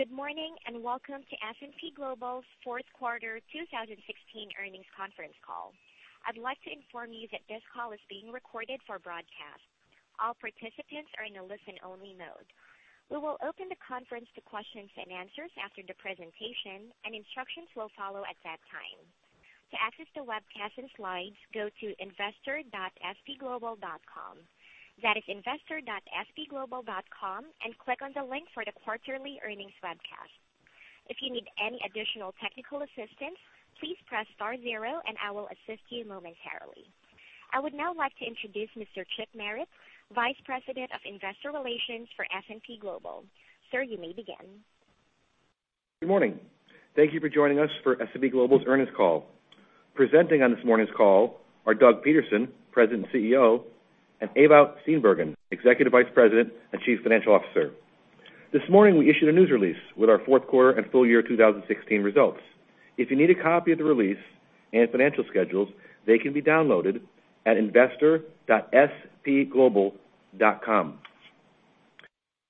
Good morning, welcome to S&P Global's fourth quarter 2016 earnings conference call. I'd like to inform you that this call is being recorded for broadcast. All participants are in a listen-only mode. We will open the conference to questions and answers after the presentation, and instructions will follow at that time. To access the webcast and slides, go to investor.spglobal.com. That is investor.spglobal.com, click on the link for the quarterly earnings webcast. If you need any additional technical assistance, please press star zero and I will assist you momentarily. I would now like to introduce Mr. Chip Merritt, Vice President of Investor Relations for S&P Global. Sir, you may begin. Good morning. Thank you for joining us for S&P Global's earnings call. Presenting on this morning's call are Doug Peterson, President and CEO, and Ewout Steenbergen, Executive Vice President and Chief Financial Officer. This morning, we issued a news release with our fourth quarter and full year 2016 results. If you need a copy of the release and financial schedules, they can be downloaded at investor.spglobal.com.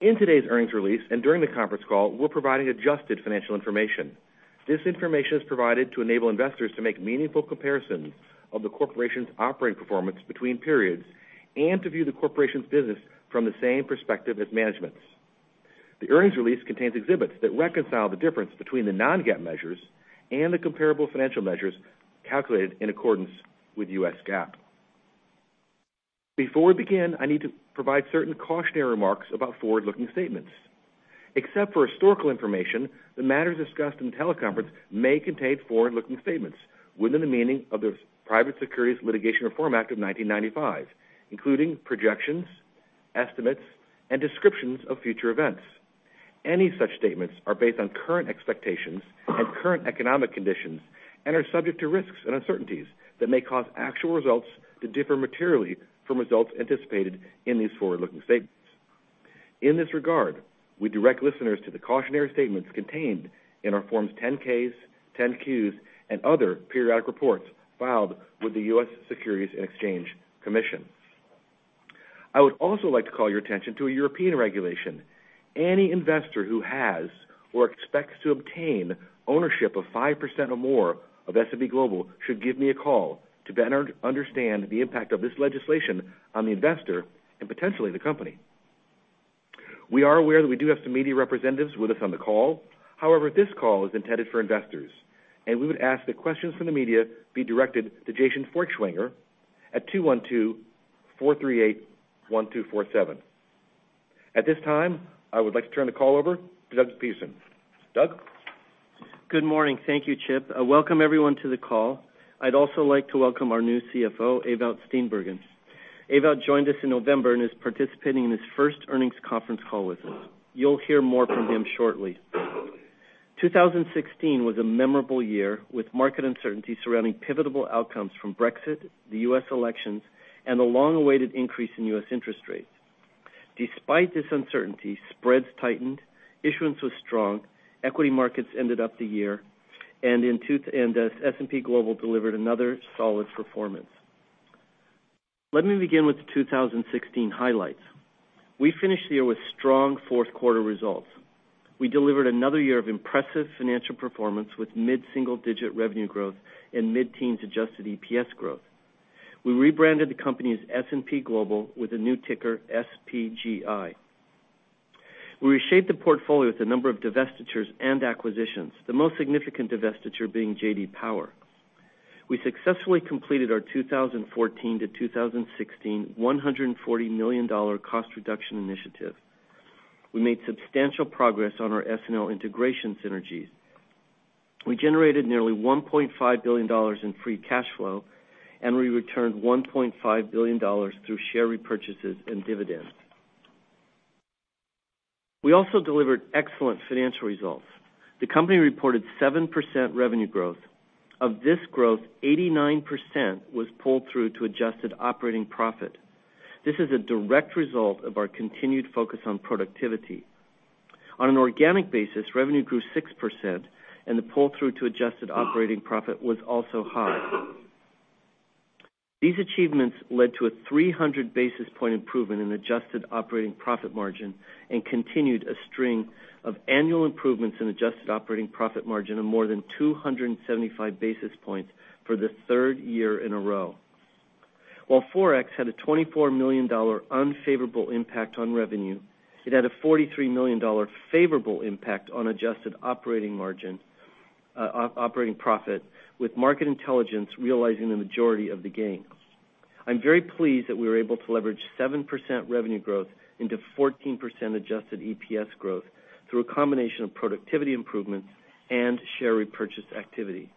In today's earnings release and during the conference call, we're providing adjusted financial information. This information is provided to enable investors to make meaningful comparisons of the corporation's operating performance between periods and to view the corporation's business from the same perspective as management's. The earnings release contains exhibits that reconcile the difference between the non-GAAP measures and the comparable financial measures calculated in accordance with U.S. GAAP. Before we begin, I need to provide certain cautionary remarks about forward-looking statements. Except for historical information, the matters discussed in the teleconference may contain forward-looking statements within the meaning of the Private Securities Litigation Reform Act of 1995, including projections, estimates, and descriptions of future events. Any such statements are based on current expectations and current economic conditions and are subject to risks and uncertainties that may cause actual results to differ materially from results anticipated in these forward-looking statements. In this regard, we direct listeners to the cautionary statements contained in our Forms 10-Ks, 10-Qs, and other periodic reports filed with the U.S. Securities and Exchange Commission. I would also like to call your attention to a European regulation. Any investor who has or expects to obtain ownership of 5% or more of S&P Global should give me a call to better understand the impact of this legislation on the investor and potentially the company. We are aware that we do have some media representatives with us on the call. However, this call is intended for investors, we would ask that questions from the media be directed to Jason Feuchtinger at 212-438-1247. At this time, I would like to turn the call over to Doug Peterson. Doug? Good morning. Thank you, Chip. Welcome everyone to the call. I'd also like to welcome our new CFO, Ewout Steenbergen. Ewout joined us in November and is participating in his first earnings conference call with us. You'll hear more from him shortly. 2016 was a memorable year, with market uncertainty surrounding pivotal outcomes from Brexit, the U.S. elections, and the long-awaited increase in U.S. interest rates. Despite this uncertainty, spreads tightened, issuance was strong, equity markets ended up the year, and S&P Global delivered another solid performance. Let me begin with the 2016 highlights. We finished the year with strong fourth quarter results. We delivered another year of impressive financial performance with mid-single-digit revenue growth and mid-teens adjusted EPS growth. We rebranded the company as S&P Global with the new ticker SPGI. We reshaped the portfolio with a number of divestitures and acquisitions, the most significant divestiture being J.D. Power. We successfully completed our 2014 to 2016 $140 million cost reduction initiative. We made substantial progress on our SNL integration synergies. We generated nearly $1.5 billion in free cash flow, and we returned $1.5 billion through share repurchases and dividends. We also delivered excellent financial results. The company reported 7% revenue growth. Of this growth, 89% was pulled through to adjusted operating profit. This is a direct result of our continued focus on productivity. On an organic basis, revenue grew 6%, and the pull-through to adjusted operating profit was also high. These achievements led to a 300-basis point improvement in adjusted operating profit margin and continued a string of annual improvements in adjusted operating profit margin of more than 275 basis points for the third year in a row. While Forex had a $24 million unfavorable impact on revenue, it had a $43 million favorable impact on adjusted operating profit, with Market Intelligence realizing the majority of the gain. I'm very pleased that we were able to leverage 7% revenue growth into 14% adjusted EPS growth through a combination of productivity improvements and share repurchase activity.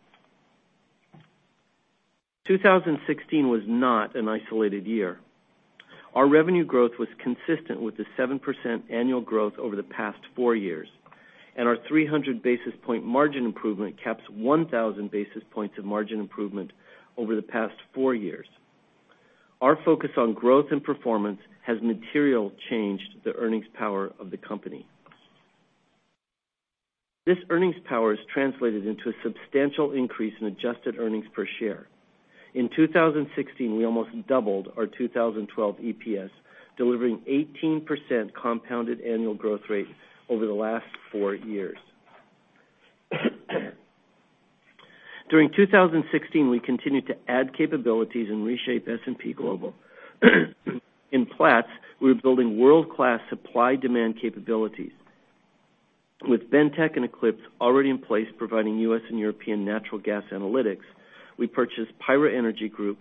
2016 was not an isolated year. Our revenue growth was consistent with the 7% annual growth over the past four years. Our 300-basis point margin improvement caps 1,000 basis points of margin improvement over the past four years. Our focus on growth and performance has materially changed the earnings power of the company. This earnings power is translated into a substantial increase in adjusted earnings per share. In 2016, we almost doubled our 2012 EPS, delivering 18% compounded annual growth rate over the last four years. During 2016, we continued to add capabilities and reshape S&P Global. In Platts, we're building world-class supply-demand capabilities. With Bentek and Eclipse already in place providing U.S. and European natural gas analytics, we purchased PIRA Energy Group,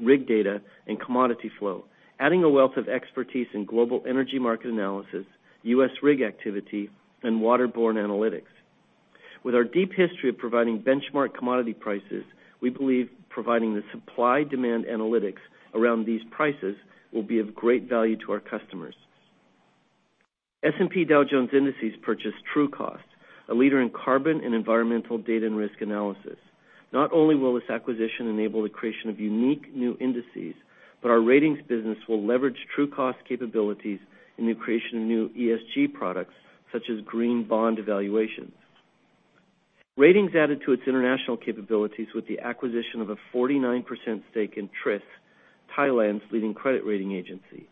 RigData, and Commodity Flow, adding a wealth of expertise in global energy market analysis, U.S. rig activity, and waterborne analytics. With our deep history of providing benchmark commodity prices, we believe providing the supply-demand analytics around these prices will be of great value to our customers. S&P Dow Jones Indices purchased Trucost, a leader in carbon and environmental data and risk analysis. Not only will this acquisition enable the creation of unique new indices, but our ratings business will leverage Trucost capabilities in the creation of new ESG products, such as green bond evaluations. Ratings added to its international capabilities with the acquisition of a 49% stake in TRIS, Thailand's leading credit rating agency.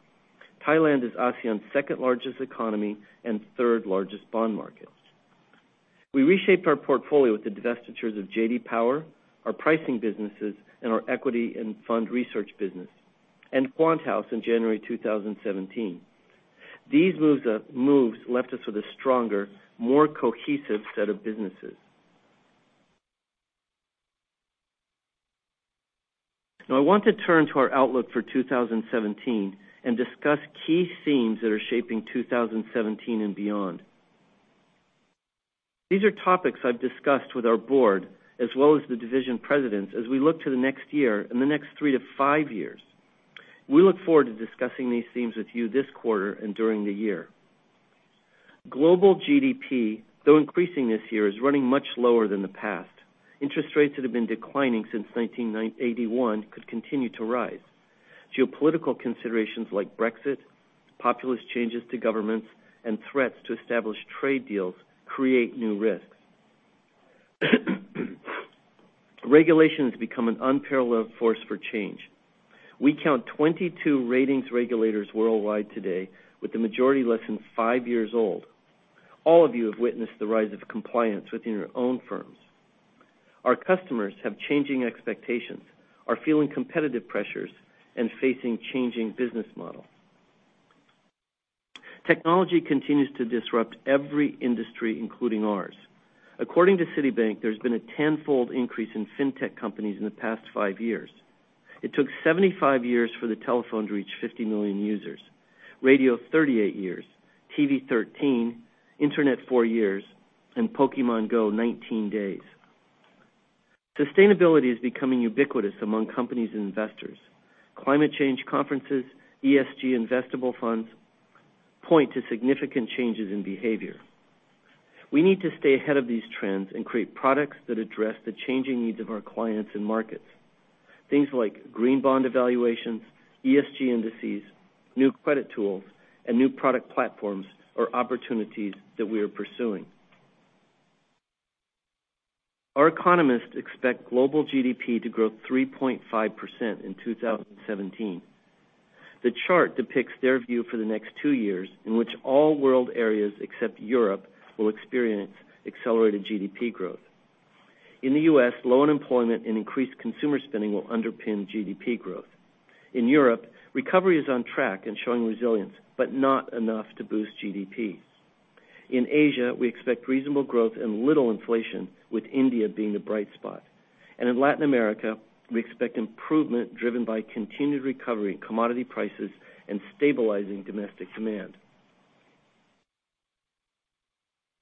Thailand is ASEAN's second-largest economy and third-largest bond market. We reshaped our portfolio with the divestitures of J.D. Power, our pricing businesses, and our equity and fund research business, and QuantHouse in January 2017. These moves left us with a stronger, more cohesive set of businesses. I want to turn to our outlook for 2017 and discuss key themes that are shaping 2017 and beyond. These are topics I've discussed with our board as well as the division presidents as we look to the next year and the next three to five years. We look forward to discussing these themes with you this quarter and during the year. Global GDP, though increasing this year, is running much lower than the past. Interest rates that have been declining since 1981 could continue to rise. Geopolitical considerations like Brexit, populous changes to governments, and threats to established trade deals create new risks. Regulation has become an unparalleled force for change. We count 22 ratings regulators worldwide today, with the majority less than five years old. All of you have witnessed the rise of compliance within your own firms. Our customers have changing expectations, are feeling competitive pressures, and facing changing business models. Technology continues to disrupt every industry, including ours. According to Citibank, there's been a tenfold increase in fintech companies in the past five years. It took 75 years for the telephone to reach 50 million users, radio 38 years, TV 13, internet four years, and Pokémon GO 19 days. Sustainability is becoming ubiquitous among companies and investors. Climate change conferences, ESG investable funds point to significant changes in behavior. We need to stay ahead of these trends and create products that address the changing needs of our clients and markets. Things like green bond evaluations, ESG indices, new credit tools, and new product platforms are opportunities that we are pursuing. Our economists expect global GDP to grow 3.5% in 2017. The chart depicts their view for the next two years, in which all world areas except Europe will experience accelerated GDP growth. In the U.S., low unemployment and increased consumer spending will underpin GDP growth. In Europe, recovery is on track and showing resilience, but not enough to boost GDP. In Asia, we expect reasonable growth and little inflation, with India being the bright spot. In Latin America, we expect improvement driven by continued recovery in commodity prices and stabilizing domestic demand.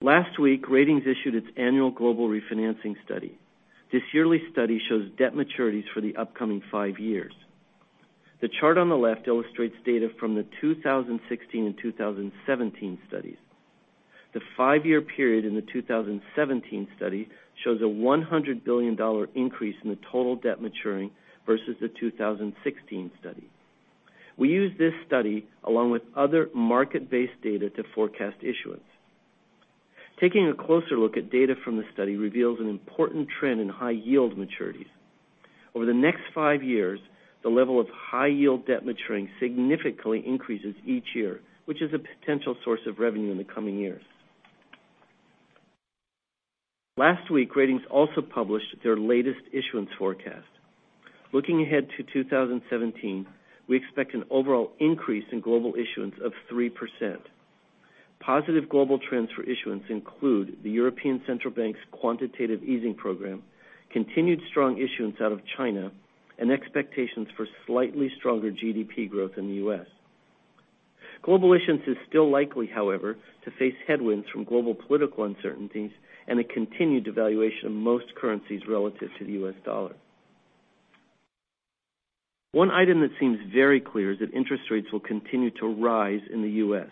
Last week, Ratings issued its annual global refinancing study. This yearly study shows debt maturities for the upcoming five years. The chart on the left illustrates data from the 2016 and 2017 studies. The five-year period in the 2017 study shows a $100 billion increase in the total debt maturing versus the 2016 study. We use this study along with other market-based data to forecast issuance. Taking a closer look at data from the study reveals an important trend in high yield maturities. Over the next five years, the level of high yield debt maturing significantly increases each year, which is a potential source of revenue in the coming years. Last week, Ratings also published their latest issuance forecast. Looking ahead to 2017, we expect an overall increase in global issuance of 3%. Positive global trends for issuance include the European Central Bank's quantitative easing program, continued strong issuance out of China, and expectations for slightly stronger GDP growth in the U.S. Global issuance is still likely, however, to face headwinds from global political uncertainties and a continued devaluation of most currencies relative to the U.S. dollar. One item that seems very clear is that interest rates will continue to rise in the U.S.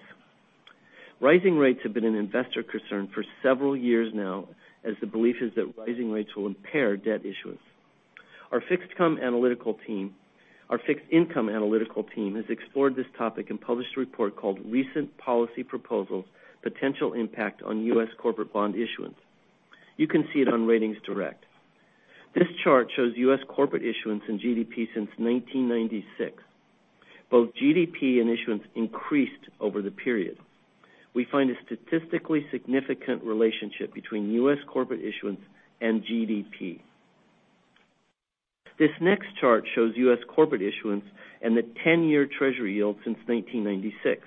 Rising rates have been an investor concern for several years now, as the belief is that rising rates will impair debt issuance. Our fixed income analytical team has explored this topic and published a report called Recent Policy Proposals: Potential Impact on U.S. Corporate Bond Issuance. You can see it on RatingsDirect. This chart shows U.S. corporate issuance and GDP since 1996. Both GDP and issuance increased over the period. We find a statistically significant relationship between U.S. corporate issuance and GDP. This next chart shows U.S. corporate issuance and the 10-year Treasury yield since 1996.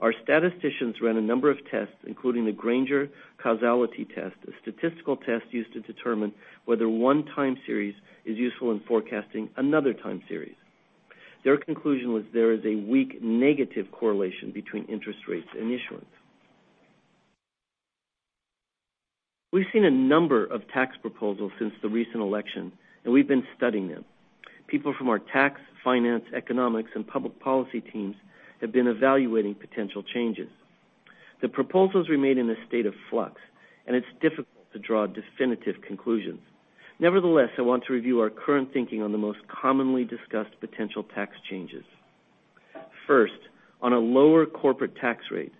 Our statisticians ran a number of tests, including the Granger causality test, a statistical test used to determine whether one time series is useful in forecasting another time series. Their conclusion was there is a weak negative correlation between interest rates and issuance. We've seen a number of tax proposals since the recent election, and we've been studying them. People from our tax, finance, economics, and public policy teams have been evaluating potential changes. The proposals remain in a state of flux, and it's difficult to draw definitive conclusions. Nevertheless, I want to review our current thinking on the most commonly discussed potential tax changes. First, on a lower corporate tax rate.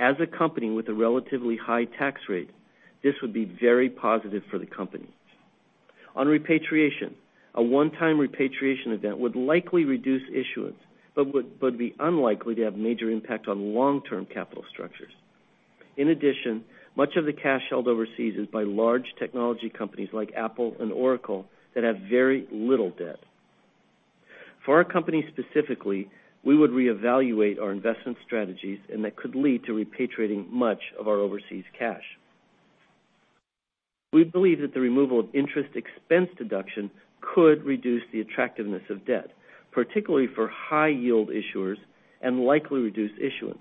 As a company with a relatively high tax rate, this would be very positive for the company. On repatriation, a one-time repatriation event would likely reduce issuance, but would be unlikely to have a major impact on long-term capital structures. In addition, much of the cash held overseas is by large technology companies like Apple and Oracle that have very little debt. For our company specifically, we would reevaluate our investment strategies, and that could lead to repatriating much of our overseas cash. We believe that the removal of interest expense deduction could reduce the attractiveness of debt, particularly for high-yield issuers, and likely reduce issuance.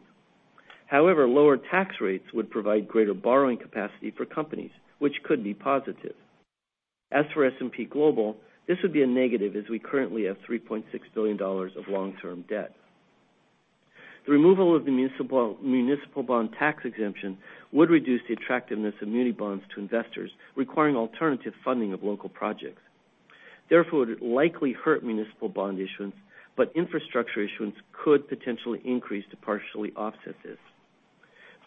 However, lower tax rates would provide greater borrowing capacity for companies, which could be positive. As for S&P Global, this would be a negative as we currently have $3.6 billion of long-term debt. The removal of the municipal bond tax exemption would reduce the attractiveness of muni bonds to investors, requiring alternative funding of local projects. Therefore, it would likely hurt municipal bond issuance, but infrastructure issuance could potentially increase to partially offset this.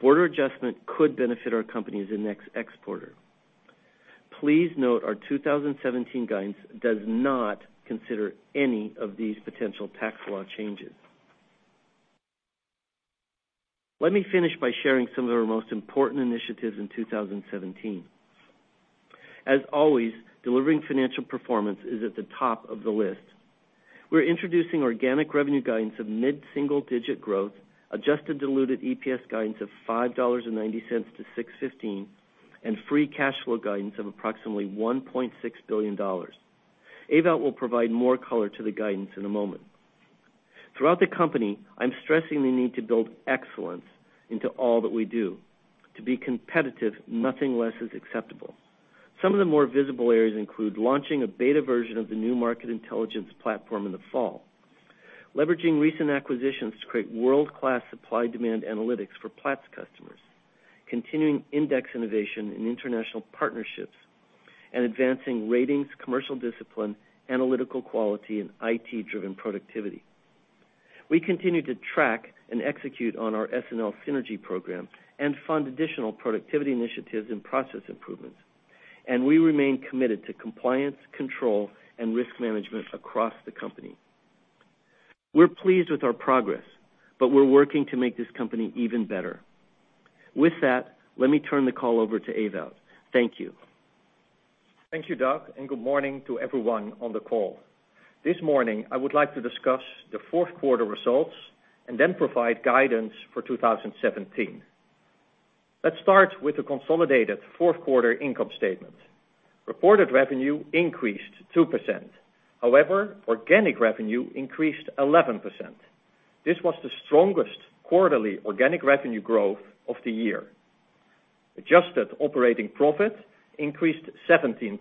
Border adjustment could benefit our company as a net exporter. Please note our 2017 guidance does not consider any of these potential tax law changes. Let me finish by sharing some of our most important initiatives in 2017. As always, delivering financial performance is at the top of the list. We're introducing organic revenue guidance of mid-single-digit growth, adjusted diluted EPS guidance of $5.90 to $6.15, and free cash flow guidance of approximately $1.6 billion. Ewout will provide more color to the guidance in a moment. Throughout the company, I'm stressing the need to build excellence into all that we do. To be competitive, nothing less is acceptable. Some of the more visible areas include launching a beta version of the new Market Intelligence platform in the fall, leveraging recent acquisitions to create world-class supply-demand analytics for Platts customers, continuing index innovation in international partnerships, advancing ratings, commercial discipline, analytical quality, and IT-driven productivity. We continue to track and execute on our SNL synergy program, fund additional productivity initiatives and process improvements, and we remain committed to compliance, control, and risk management across the company. We're pleased with our progress, but we're working to make this company even better. With that, let me turn the call over to Ewout. Thank you. Thank you, Doug. Good morning to everyone on the call. This morning, I would like to discuss the fourth quarter results, then provide guidance for 2017. Let's start with the consolidated fourth quarter income statement. Reported revenue increased 2%. However, organic revenue increased 11%. This was the strongest quarterly organic revenue growth of the year. Adjusted operating profit increased 17%,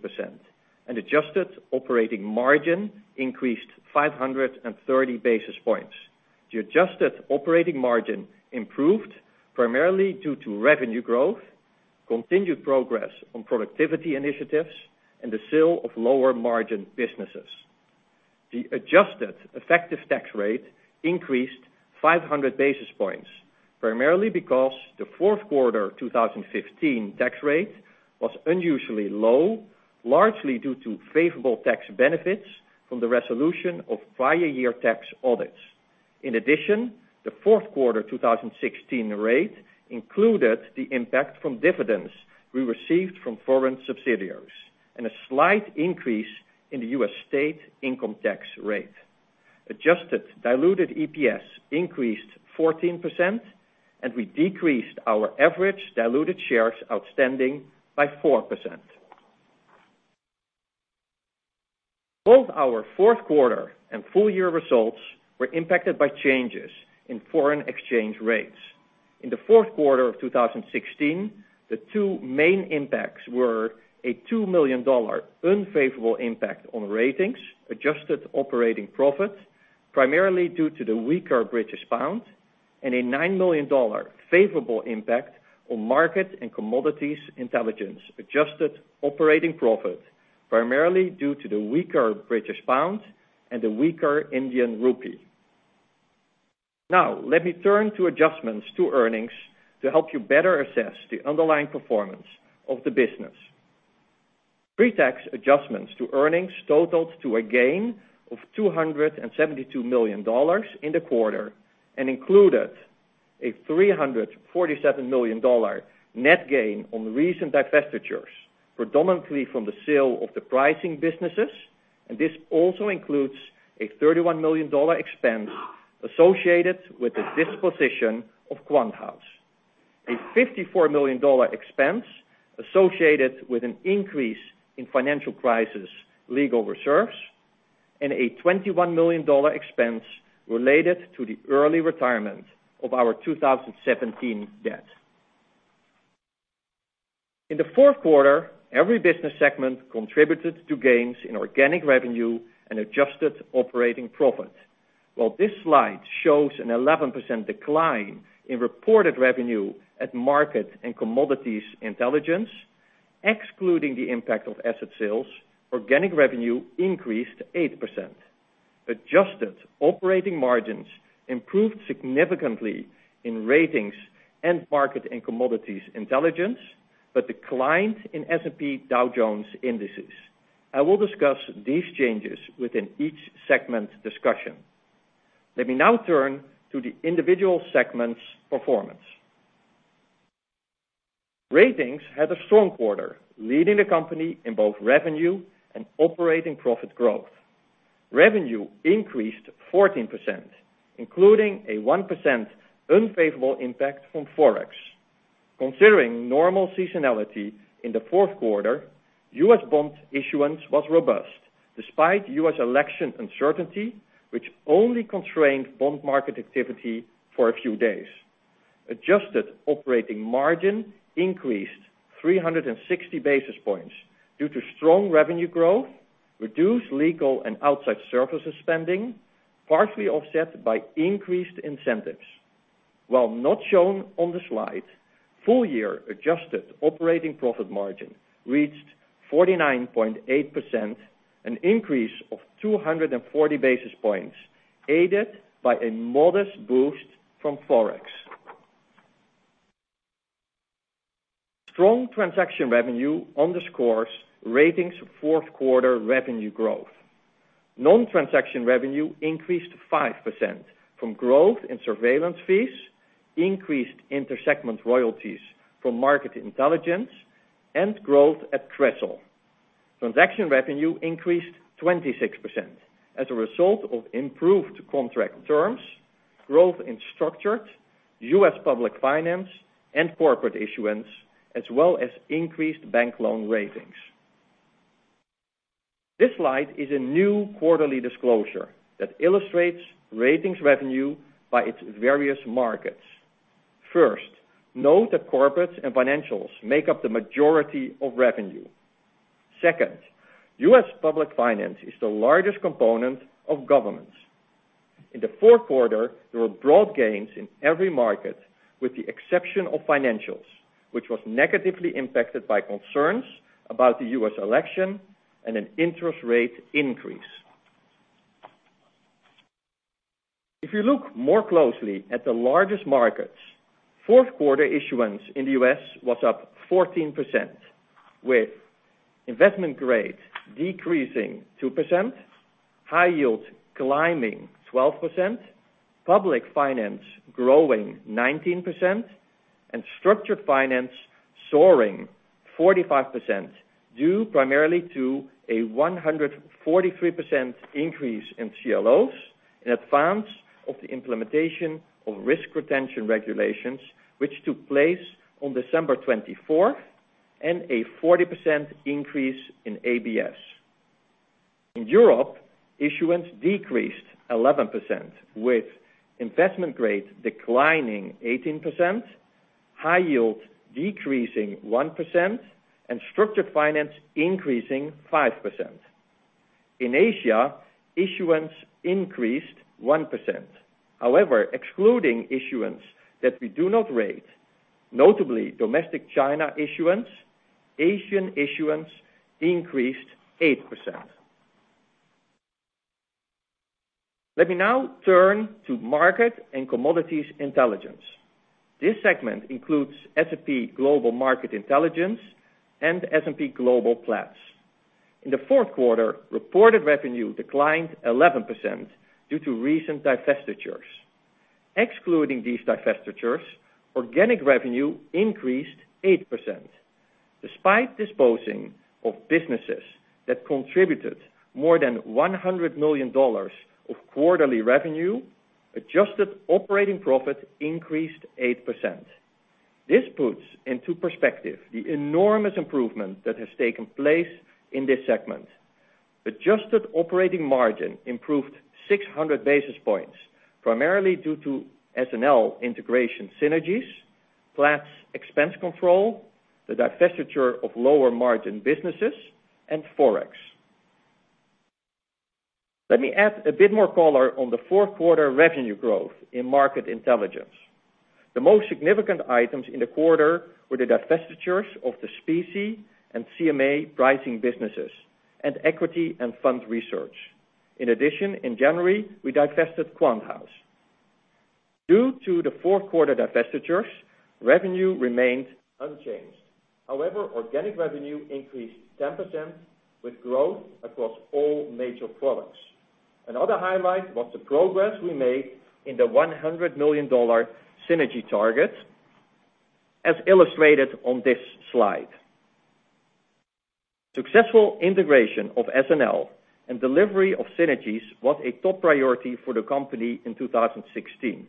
and adjusted operating margin increased 530 basis points. The adjusted operating margin improved primarily due to revenue growth, continued progress on productivity initiatives, and the sale of lower-margin businesses. The adjusted effective tax rate increased 500 basis points, primarily because the fourth quarter 2015 tax rate was unusually low, largely due to favorable tax benefits from the resolution of prior year tax audits. In addition, the fourth quarter 2016 rate included the impact from dividends we received from foreign subsidiaries and a slight increase in the U.S. state income tax rate. Adjusted diluted EPS increased 14%, and we decreased our average diluted shares outstanding by 4%. Both our fourth quarter and full-year results were impacted by changes in foreign exchange rates. In the fourth quarter of 2016, the two main impacts were a $2 million unfavorable impact on ratings, adjusted operating profit, primarily due to the weaker British pound. A $9 million favorable impact on markets and commodities intelligence adjusted operating profit, primarily due to the weaker British pound and the weaker Indian rupee. Let me turn to adjustments to earnings to help you better assess the underlying performance of the business. Pre-tax adjustments to earnings totaled to a gain of $272 million in the quarter and included a $347 million net gain on the recent divestitures, predominantly from the sale of the pricing businesses, and this also includes a $31 million expense associated with the disposition of QuantHouse. A $54 million expense associated with an increase in financial crisis legal reserves and a $21 million expense related to the early retirement of our 2017 debt. In the fourth quarter, every business segment contributed to gains in organic revenue and adjusted operating profit. While this slide shows an 11% decline in reported revenue at markets and commodities intelligence, excluding the impact of asset sales, organic revenue increased 8%. Adjusted operating margins improved significantly in ratings and markets and commodities intelligence, but declined in S&P Dow Jones Indices. I will discuss these changes within each segment discussion. Let me now turn to the individual segments' performance. Ratings had a strong quarter, leading the company in both revenue and operating profit growth. Revenue increased 14%, including a 1% unfavorable impact from Forex. Considering normal seasonality in the fourth quarter, U.S. bond issuance was robust despite U.S. election uncertainty, which only constrained bond market activity for a few days. Adjusted operating margin increased 360 basis points due to strong revenue growth, reduced legal and outside services spending, partially offset by increased incentives. While not shown on the slide, full year adjusted operating profit margin reached 49.8%, an increase of 240 basis points, aided by a modest boost from Forex. Strong transaction revenue underscores ratings fourth quarter revenue growth. Non-transaction revenue increased 5% from growth in surveillance fees, increased inter-segment royalties from Market Intelligence, and growth at Crestel. Transaction revenue increased 26% as a result of improved contract terms, growth in structured U.S. public finance and corporate issuance, as well as increased bank loan ratings. This slide is a new quarterly disclosure that illustrates ratings revenue by its various markets. First, note that corporates and financials make up the majority of revenue. Second, U.S. public finance is the largest component of governments. In the fourth quarter, there were broad gains in every market, with the exception of financials, which was negatively impacted by concerns about the U.S. election and an interest rate increase. If you look more closely at the largest markets, fourth quarter issuance in the U.S. was up 14%, with investment grade decreasing 2%, high yield climbing 12%, public finance growing 19%, and structured finance soaring 45% due primarily to a 143% increase in CLOs in advance of the implementation of risk retention regulations, which took place on December 24, and a 40% increase in ABS. In Europe, issuance decreased 11%, with investment grade declining 18%, high yield decreasing 1%, and structured finance increasing 5%. In Asia, issuance increased 1%. Excluding issuance that we do not rate, notably domestic China issuance, Asian issuance increased 8%. Let me now turn to market and commodities intelligence. This segment includes S&P Global Market Intelligence and S&P Global Platts. In the fourth quarter, reported revenue declined 11% due to recent divestitures. Excluding these divestitures, organic revenue increased 8%. Despite disposing of businesses that contributed more than $100 million of quarterly revenue, adjusted operating profit increased 8%. This puts into perspective the enormous improvement that has taken place in this segment. Adjusted operating margin improved 600 basis points, primarily due to SNL integration synergies, Platts expense control, the divestiture of lower margin businesses, and Forex. Let me add a bit more color on the fourth quarter revenue growth in Market Intelligence. The most significant items in the quarter were the divestitures of the SPSE and CMA pricing businesses, and equity and fund research. In January, we divested QuantHouse. Due to the fourth quarter divestitures, revenue remained unchanged. Organic revenue increased 10%, with growth across all major products. Another highlight was the progress we made in the $100 million synergy target, as illustrated on this slide. Successful integration of SNL and delivery of synergies was a top priority for the company in 2016.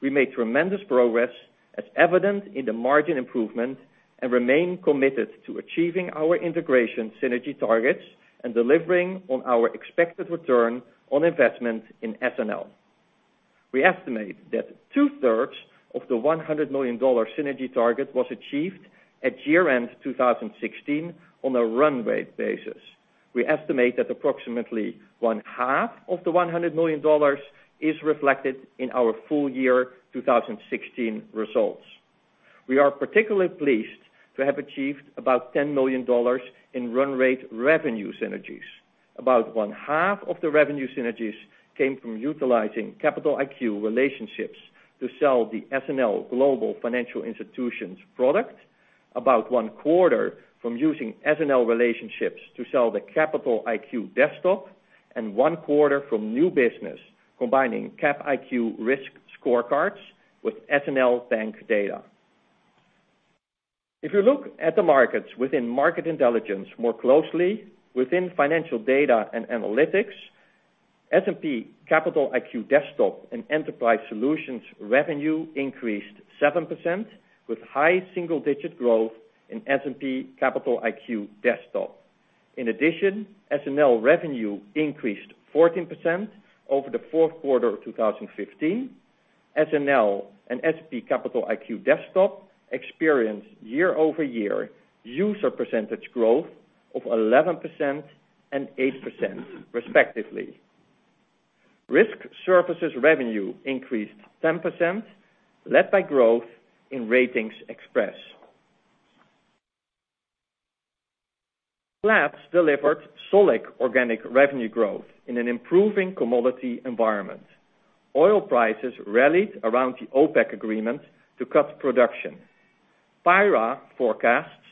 We made tremendous progress, as evident in the margin improvement, and remain committed to achieving our integration synergy targets and delivering on our expected return on investment in SNL. We estimate that two-thirds of the $100 million synergy target was achieved at year-end 2016 on a run rate basis. We estimate that approximately one-half of the $100 million is reflected in our full year 2016 results. We are particularly pleased to have achieved about $10 million in run rate revenue synergies. About one-half of the revenue synergies came from utilizing Capital IQ relationships to sell the SNL Global Financial Institutions product, about one-quarter from using SNL relationships to sell the Capital IQ Desktop, and one-quarter from new business combining Cap IQ risk scorecards with SNL bank data. If you look at the markets within Market Intelligence more closely, within financial data and analytics, S&P Capital IQ Desktop and Enterprise Solutions revenue increased 7%, with high single-digit growth in S&P Capital IQ Desktop. In addition, SNL revenue increased 14% over the fourth quarter of 2015. SNL and S&P Capital IQ Desktop experienced year-over-year user percentage growth of 11% and 8%, respectively. Risk Services revenue increased 10%, led by growth in RatingsXpress. Platts delivered solid organic revenue growth in an improving commodity environment. Oil prices rallied around the OPEC agreement to cut production. PIRA forecasts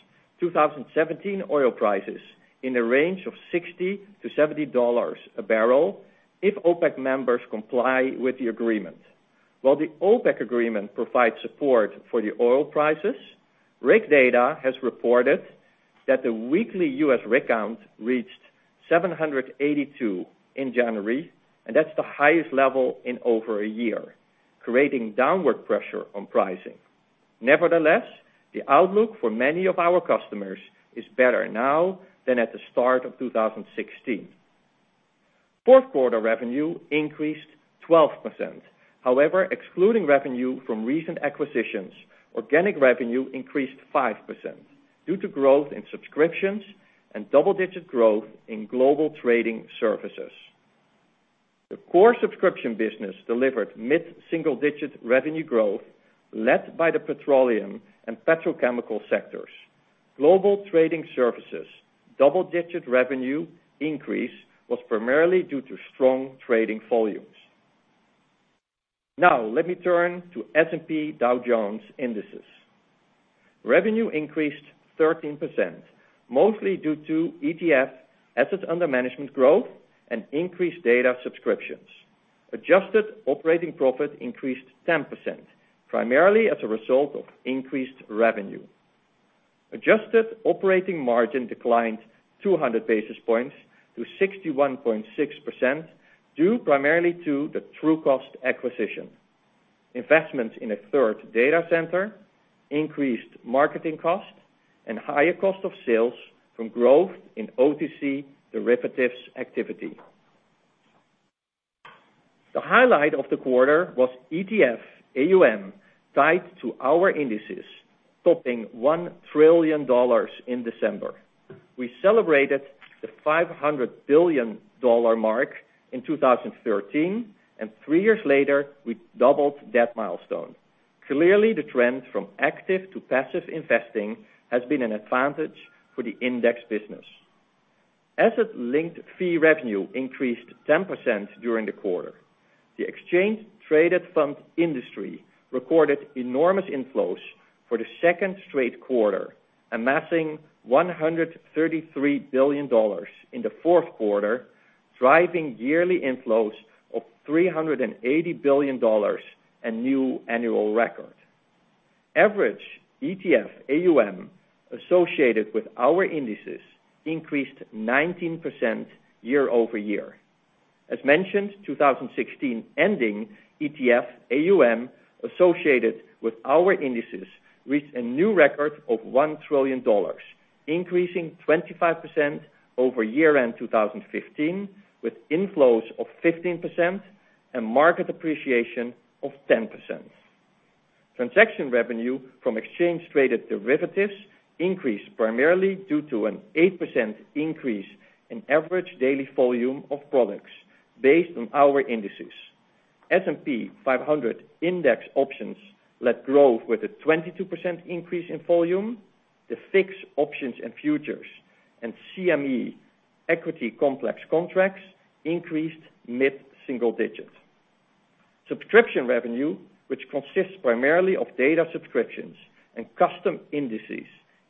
2017 oil prices in the range of $60-$70 a barrel if OPEC members comply with the agreement. While the OPEC agreement provides support for the oil prices, RigData has reported that the weekly U.S. rig count reached 782 in January, and that's the highest level in over a year, creating downward pressure on pricing. Nevertheless, the outlook for many of our customers is better now than at the start of 2016. Fourth quarter revenue increased 12%. However, excluding revenue from recent acquisitions, organic revenue increased 5% due to growth in subscriptions and double-digit growth in global trading services. The core subscription business delivered mid-single-digit revenue growth led by the petroleum and petrochemical sectors. Global trading services double-digit revenue increase was primarily due to strong trading volumes. Now, let me turn to S&P Dow Jones Indices. Revenue increased 13%, mostly due to ETF assets under management growth and increased data subscriptions. Adjusted operating profit increased 10%, primarily as a result of increased revenue. Adjusted operating margin declined 200 basis points to 61.6%, due primarily to the Trucost acquisition. Investments in a third data center increased marketing costs and higher cost of sales from growth in OTC derivatives activity. The highlight of the quarter was ETF AUM tied to our indices, topping $1 trillion in December. We celebrated the $500 billion mark in 2013, and three years later, we doubled that milestone. Clearly, the trend from active to passive investing has been an advantage for the index business. Asset linked fee revenue increased 10% during the quarter. The exchange-traded fund industry recorded enormous inflows for the second straight quarter, amassing $133 billion in the fourth quarter, driving yearly inflows of $380 billion, a new annual record. Average ETF AUM associated with our indices increased 19% year-over-year. As mentioned, 2016 ending ETF AUM associated with our indices reached a new record of $1 trillion, increasing 25% over year-end 2015, with inflows of 15% and market appreciation of 10%. Transaction revenue from exchange-traded derivatives increased primarily due to an 8% increase in average daily volume of products based on our indices. S&P 500 index options led growth with a 22% increase in volume. The VIX options and futures and CME equity complex contracts increased mid-single digits. Subscription revenue, which consists primarily of data subscriptions and custom indices,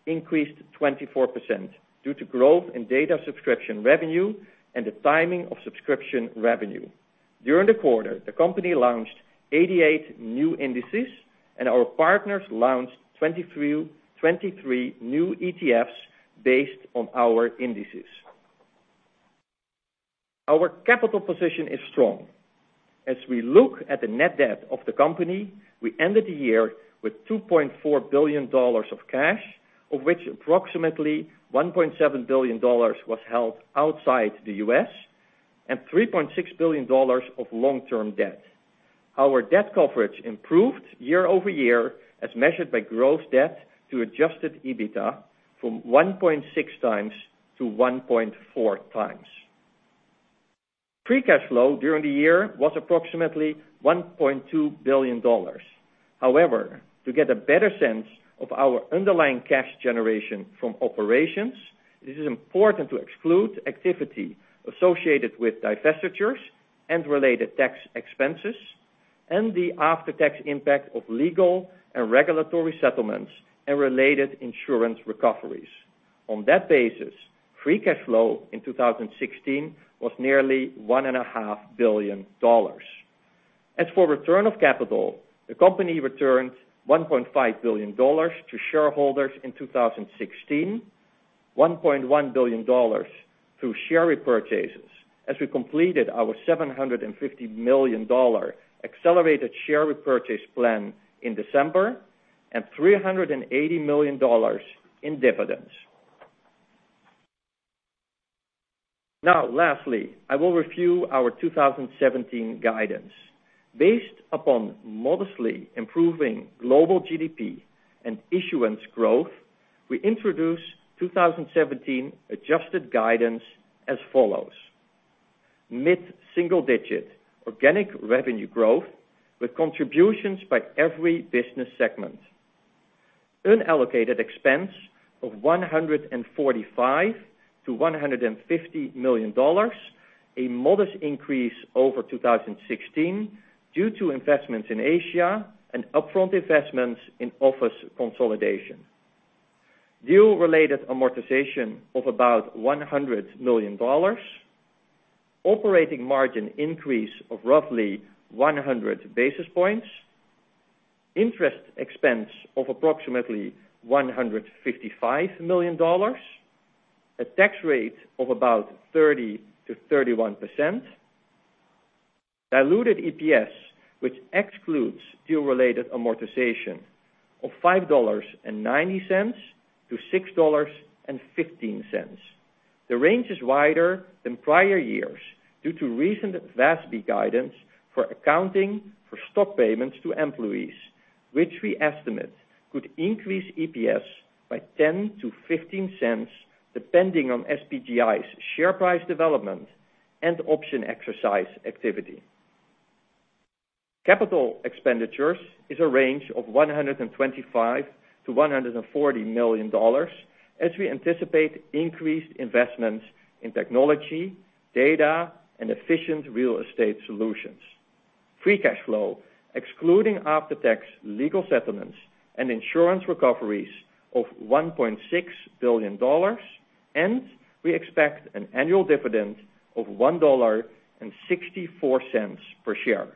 increased 24% due to growth in data subscription revenue and the timing of subscription revenue. During the quarter, the company launched 88 new indices, and our partners launched 23 new ETFs based on our indices. Our capital position is strong. As we look at the net debt of the company, we ended the year with $2.4 billion of cash, of which approximately $1.7 billion was held outside the U.S. and $3.6 billion of long-term debt. Our debt coverage improved year-over-year as measured by gross debt to adjusted EBITDA from 1.6 times to 1.4 times. Free cash flow during the year was approximately $1.2 billion. To get a better sense of our underlying cash generation from operations, it is important to exclude activity associated with divestitures and related tax expenses and the after-tax impact of legal and regulatory settlements and related insurance recoveries. On that basis, free cash flow in 2016 was nearly $1.5 billion. As for return of capital, the company returned $1.5 billion to shareholders in 2016, $1.1 billion through share repurchases as we completed our $750 million accelerated share repurchase plan in December, and $380 million in dividends. Lastly, I will review our 2017 guidance. Based upon modestly improving global GDP and issuance growth, we introduce 2017 adjusted guidance as follows. Mid-single-digit organic revenue growth with contributions by every business segment. Unallocated expense of $145 million-$150 million, a modest increase over 2016 due to investments in Asia and upfront investments in office consolidation. Deal-related amortization of about $100 million. Operating margin increase of roughly 100 basis points. Interest expense of approximately $155 million. A tax rate of about 30%-31%. Diluted EPS, which excludes deal-related amortization, of $5.90-$6.15. The range is wider than prior years due to recent FASB guidance for accounting for stock payments to employees, which we estimate could increase EPS by $0.10-$0.15 depending on SPGI's share price development and option exercise activity. Capital expenditures is a range of $125 million-$140 million as we anticipate increased investments in technology, data, and efficient real estate solutions. Free cash flow, excluding after-tax legal settlements and insurance recoveries of $1.6 billion, and we expect an annual dividend of $1.64 per share.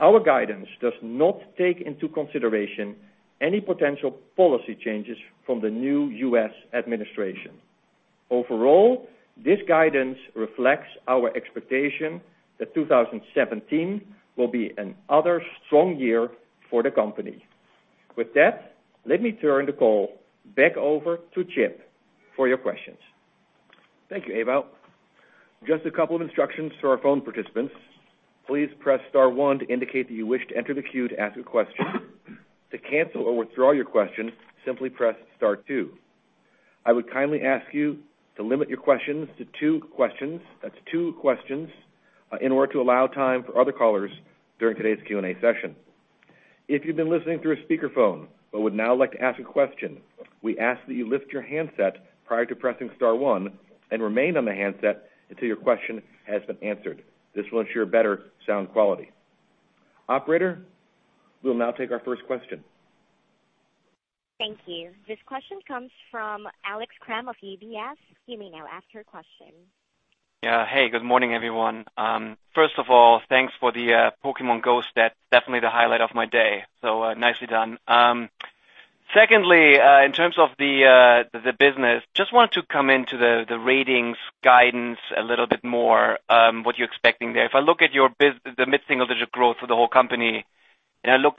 Our guidance does not take into consideration any potential policy changes from the new U.S. administration. Overall, this guidance reflects our expectation that 2017 will be another strong year for the company. With that, let me turn the call back over to Chip for your questions. Thank you, Ewout. Just a couple of instructions for our phone participants. Please press star one to indicate that you wish to enter the queue to ask a question. To cancel or withdraw your question, simply press star two. I would kindly ask you to limit your questions to two questions. That's two questions in order to allow time for other callers during today's Q&A session. If you've been listening through a speakerphone but would now like to ask a question, we ask that you lift your handset prior to pressing star one and remain on the handset until your question has been answered. This will ensure better sound quality. Operator, we'll now take our first question. Thank you. This question comes from Alex Kramm of UBS. You may now ask your question. Yeah. Hey, good morning, everyone. First of all, thanks for the Pokémon GO step. Definitely the highlight of my day, so nicely done. Secondly, in terms of the business, just wanted to come into the ratings guidance a little bit more, what you're expecting there. If I look at the mid-single-digit growth for the whole company, and I look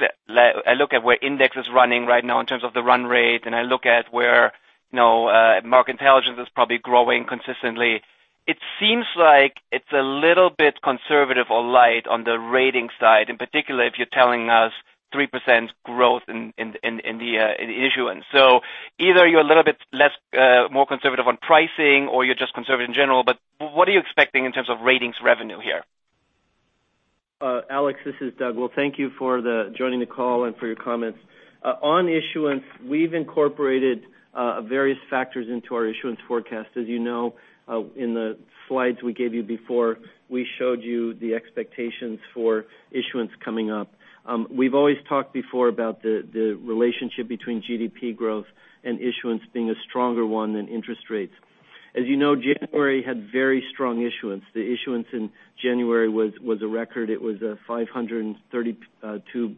at where Indices is running right now in terms of the run rate, and I look at where Market Intelligence is probably growing consistently. It seems like it's a little bit conservative or light on the ratings side, in particular, if you're telling us 3% growth in the issuance. So either you're a little bit more conservative on pricing or you're just conservative in general, but what are you expecting in terms of ratings revenue here? Alex, this is Doug. Well, thank you for joining the call and for your comments. On issuance, we've incorporated various factors into our issuance forecast. As you know, in the slides we gave you before, we showed you the expectations for issuance coming up. We've always talked before about the relationship between GDP growth and issuance being a stronger one than interest rates. As you know, January had very strong issuance. The issuance in January was a record. It was $532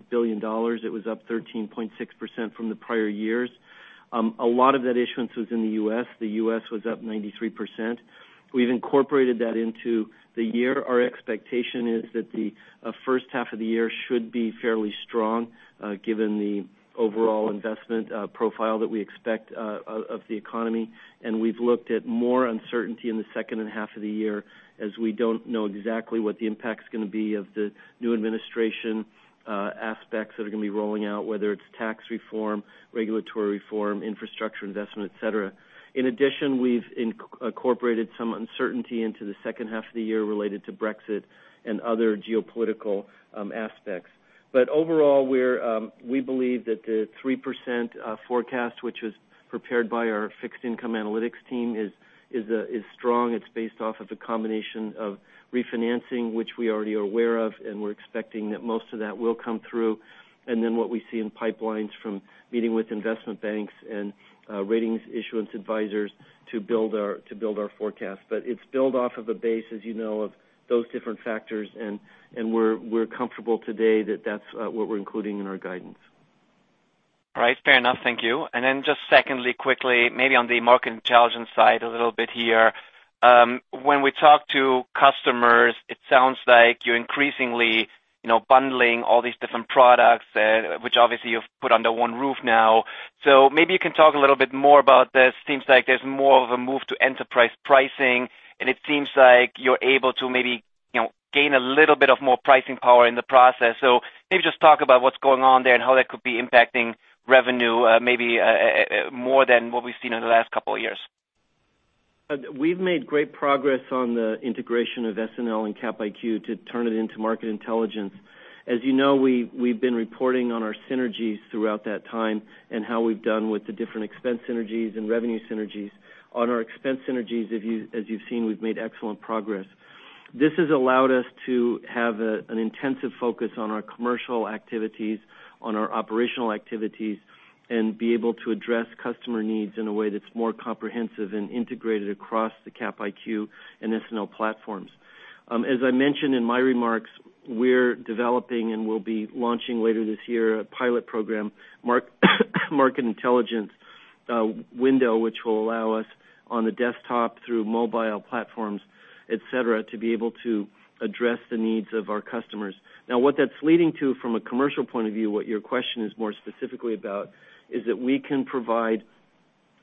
billion. It was up 13.6% from the prior years. A lot of that issuance was in the U.S. The U.S. was up 93%. We've incorporated that into the year. Our expectation is that the first half of the year should be fairly strong, given the overall investment profile that we expect of the economy. We've looked at more uncertainty in the second half of the year, as we don't know exactly what the impact's going to be of the new administration aspects that are going to be rolling out, whether it's tax reform, regulatory reform, infrastructure investment, et cetera. In addition, we've incorporated some uncertainty into the second half of the year related to Brexit and other geopolitical aspects. Overall, we believe that the 3% forecast, which was prepared by our fixed income analytics team, is strong. It's based off of a combination of refinancing, which we already are aware of, and we're expecting that most of that will come through. What we see in pipelines from meeting with investment banks and ratings issuance advisors to build our forecast. It's built off of a base, as you know, of those different factors, and we're comfortable today that that's what we're including in our guidance. All right. Fair enough. Thank you. Just secondly, quickly, maybe on the Market Intelligence side a little bit here. When we talk to customers, it sounds like you're increasingly bundling all these different products, which obviously you've put under one roof now. Maybe you can talk a little bit more about this. Seems like there's more of a move to enterprise pricing, and it seems like you're able to maybe gain a little bit of more pricing power in the process. Maybe just talk about what's going on there and how that could be impacting revenue, maybe more than what we've seen in the last couple of years. We've made great progress on the integration of SNL and Cap IQ to turn it into Market Intelligence. As you know, we've been reporting on our synergies throughout that time and how we've done with the different expense synergies and revenue synergies. On our expense synergies, as you've seen, we've made excellent progress. This has allowed us to have an intensive focus on our commercial activities, on our operational activities, and be able to address customer needs in a way that's more comprehensive and integrated across the Cap IQ and SNL platforms. As I mentioned in my remarks, we're developing and will be launching later this year a pilot program, Market Intelligence Window, which will allow us on the desktop through mobile platforms, et cetera, to be able to address the needs of our customers. What that's leading to from a commercial point of view, what your question is more specifically about, is that we can provide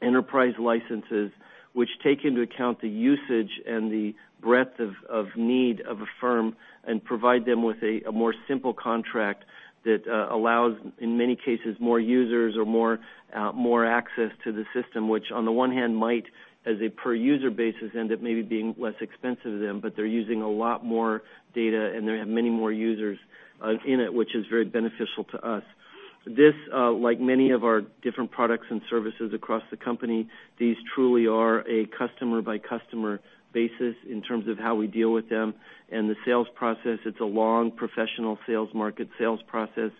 enterprise licenses which take into account the usage and the breadth of need of a firm and provide them with a more simple contract that allows, in many cases, more users or more access to the system. Which on the one hand might, as a per user basis, end up maybe being less expensive to them, but they're using a lot more data and they have many more users in it, which is very beneficial to us. This, like many of our different products and services across the company, these truly are a customer-by-customer basis in terms of how we deal with them. The sales process, it's a long professional market sales process.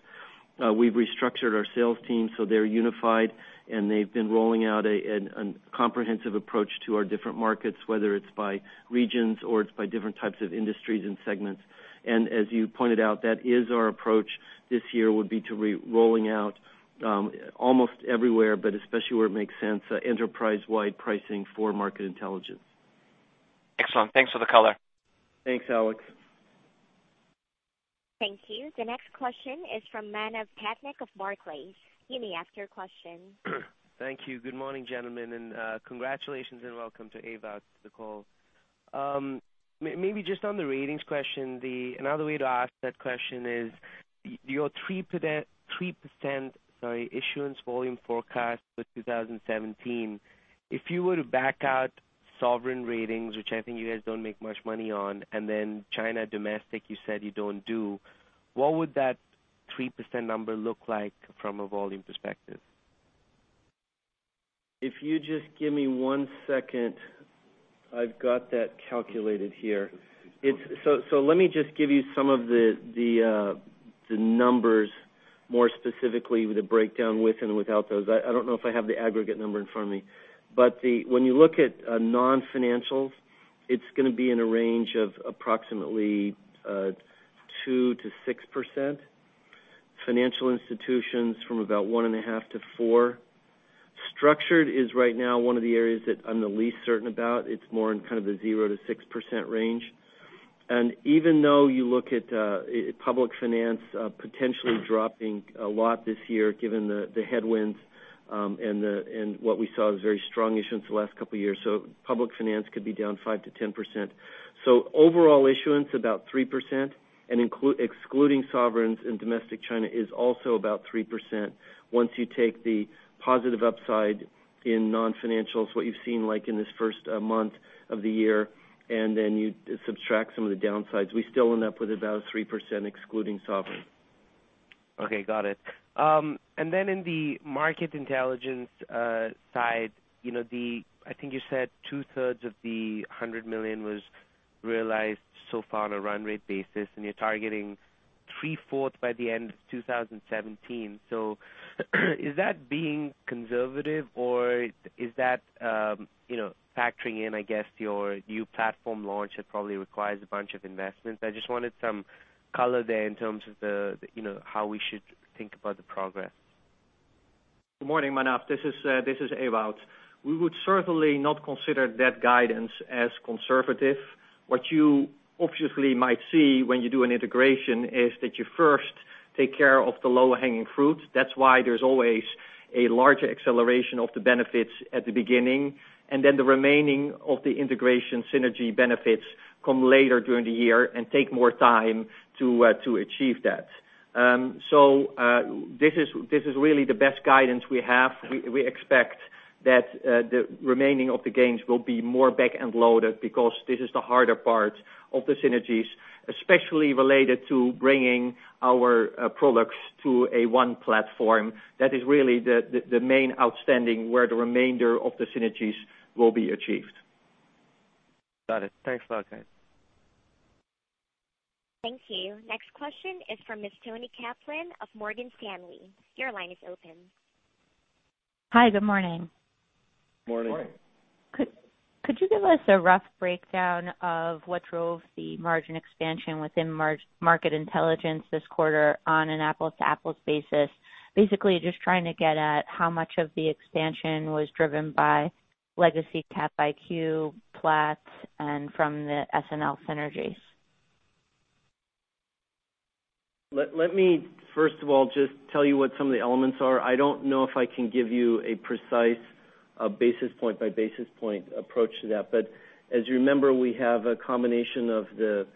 We've restructured our sales team so they're unified, they've been rolling out a comprehensive approach to our different markets, whether it's by regions or it's by different types of industries and segments. As you pointed out, that is our approach this year would be to rolling out almost everywhere, but especially where it makes sense, enterprise-wide pricing for Market Intelligence. Excellent. Thanks for the color. Thanks, Alex. Thank you. The next question is from Manav Patnaik of Barclays. You may ask your question. Thank you. Good morning, gentlemen, and congratulations and welcome to Ewout, to the call. Maybe just on the Ratings question, another way to ask that question is your 3%, sorry, issuance volume forecast for 2017. If you were to back out sovereign Ratings, which I think you guys don't make much money on, and then China domestic, you said you don't do, what would that 3% number look like from a volume perspective? If you just give me 1 second. I've got that calculated here. Let me just give you some of the numbers more specifically with the breakdown with and without those. I don't know if I have the aggregate number in front of me. When you look at non-financials, it's going to be in a range of approximately 2%-6%. financial institutions from about 1.5%-4%. structured is right now one of the areas that I'm the least certain about. It's more in kind of the 0%-6% range. Even though you look at public finance potentially dropping a lot this year, given the headwinds, and what we saw was very strong issuance the last couple of years. public finance could be down 5%-10%. overall issuance, about 3%, and excluding sovereigns in domestic China is also about 3%. Once you take the positive upside in non-financials, what you've seen like in this first month of the year, and then you subtract some of the downsides, we still end up with about 3% excluding sovereigns. Okay, got it. In the Market Intelligence side, I think you said two-thirds of the $100 million was realized so far on a run rate basis. You're targeting three-fourths by the end of 2017. Is that being conservative, or is that factoring in, I guess, your new platform launch, it probably requires a bunch of investments. I just wanted some color there in terms of how we should think about the progress. Good morning, Manav. This is Ewout. We would certainly not consider that guidance as conservative. What you obviously might see when you do an integration is that you first take care of the low-hanging fruit. That's why there's always a larger acceleration of the benefits at the beginning. The remaining of the integration synergy benefits come later during the year and take more time to achieve that. This is really the best guidance we have. We expect that the remaining of the gains will be more back-end loaded because this is the harder part of the synergies, especially related to bringing our products to a one platform. That is really the main outstanding, where the remainder of the synergies will be achieved. Got it. Thanks a lot, guys. Thank you. Next question is from Ms. Toni Kaplan of Morgan Stanley. Your line is open. Hi, good morning. Morning. Morning. Could you give us a rough breakdown of what drove the margin expansion within Market Intelligence this quarter on an apples-to-apples basis? Basically, just trying to get at how much of the expansion was driven by legacy Capital IQ, Platts, and from the SNL synergies. Let me first of all just tell you what some of the elements are. I don't know if I can give you a precise basis-point by basis-point approach to that. As you remember, we have a combination of the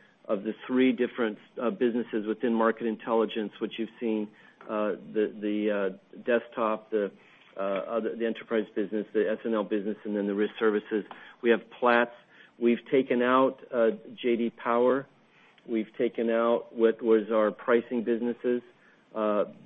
three different businesses within Market Intelligence, which you've seen, the Desktop, the Enterprise business, the SNL business, and then the Risk Services. We have Platts. We've taken out J.D. Power. We've taken out what was our pricing businesses.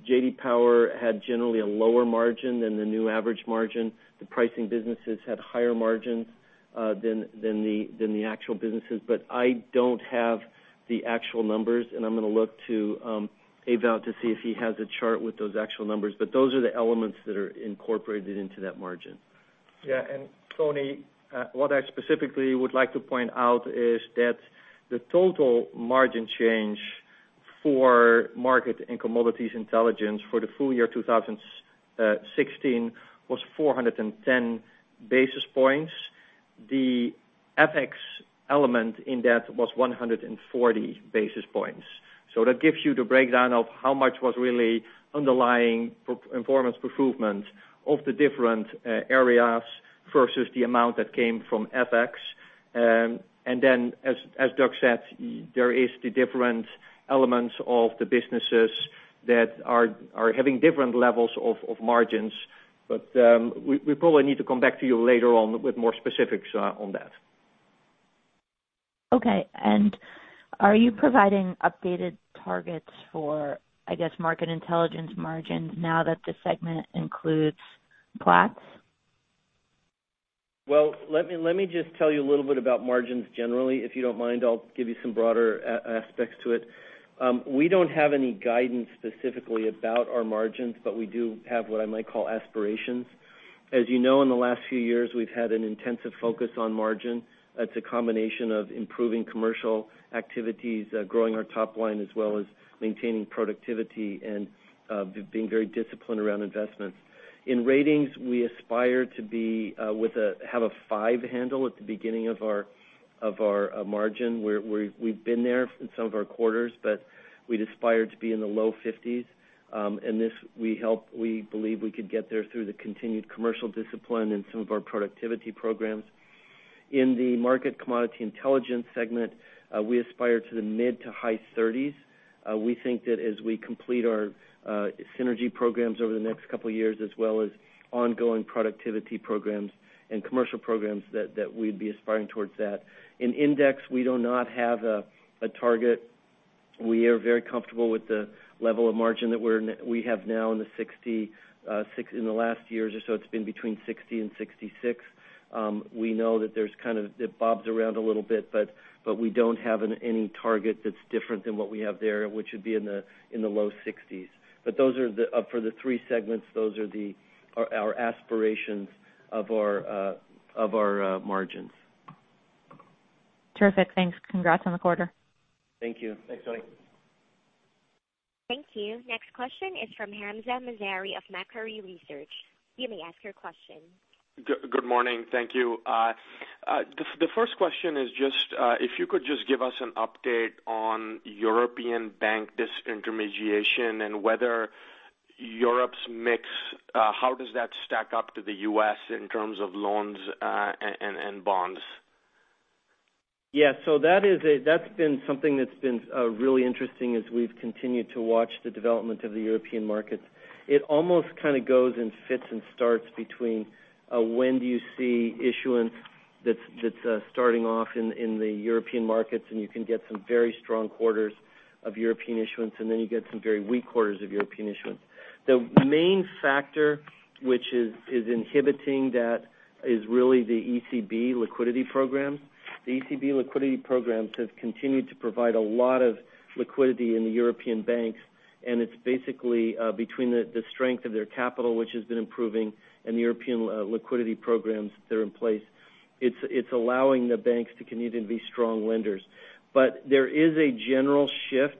J.D. Power had generally a lower margin than the new average margin. The pricing businesses had higher margins than the actual businesses. I don't have the actual numbers, and I'm going to look to Ewout to see if he has a chart with those actual numbers. Those are the elements that are incorporated into that margin. Yeah. Toni, what I specifically would like to point out is that the total margin change for Market and Commodities Intelligence for the full year 2016 was 410 basis points. The FX element in that was 140 basis points. That gives you the breakdown of how much was really underlying performance improvement of the different areas versus the amount that came from FX. Then as Doug said, there is the different elements of the businesses that are having different levels of margins. We probably need to come back to you later on with more specifics on that. Okay. Are you providing updated targets for, I guess, Market Intelligence margins now that the segment includes Platts? Well, let me just tell you a little bit about margins generally. If you don't mind, I'll give you some broader aspects to it. We don't have any guidance specifically about our margins, but we do have what I might call aspirations. As you know, in the last few years, we've had an intensive focus on margin. That's a combination of improving commercial activities, growing our top line, as well as maintaining productivity and being very disciplined around investments. In Ratings, we aspire to have a five handle at the beginning of our margin, where we've been there in some of our quarters, but we'd aspire to be in the low 50s. This, we believe we could get there through the continued commercial discipline in some of our productivity programs. In the Market Commodity Intelligence segment, we aspire to the mid to high 30s. We think that as we complete our synergy programs over the next couple of years, as well as ongoing productivity programs and commercial programs, that we'd be aspiring towards that. In Index, we do not have a target. We are very comfortable with the level of margin that we have now in the last year or so, it's been between 60 and 66. We know that it bobs around a little bit, but we don't have any target that's different than what we have there, which would be in the low 60s. For the three segments, those are our aspirations of our margins. Terrific. Thanks. Congrats on the quarter. Thank you. Thanks, Toni. Thank you. Next question is from Hamza Mazari of Macquarie Research. You may ask your question. Good morning. Thank you. The first question is if you could just give us an update on European bank disintermediation and whether Europe's mix, how does that stack up to the U.S. in terms of loans and bonds? Yeah. That's been something that's been really interesting as we've continued to watch the development of the European markets. It almost goes in fits and starts between when do you see issuance that's starting off in the European markets, and you can get some very strong quarters of European issuance, and then you get some very weak quarters of European issuance. The main factor which is inhibiting that is really the ECB liquidity program. The ECB liquidity programs have continued to provide a lot of liquidity in the European banks, and it's basically between the strength of their capital, which has been improving, and the European liquidity programs that are in place. It's allowing the banks to continue to be strong lenders. There is a general shift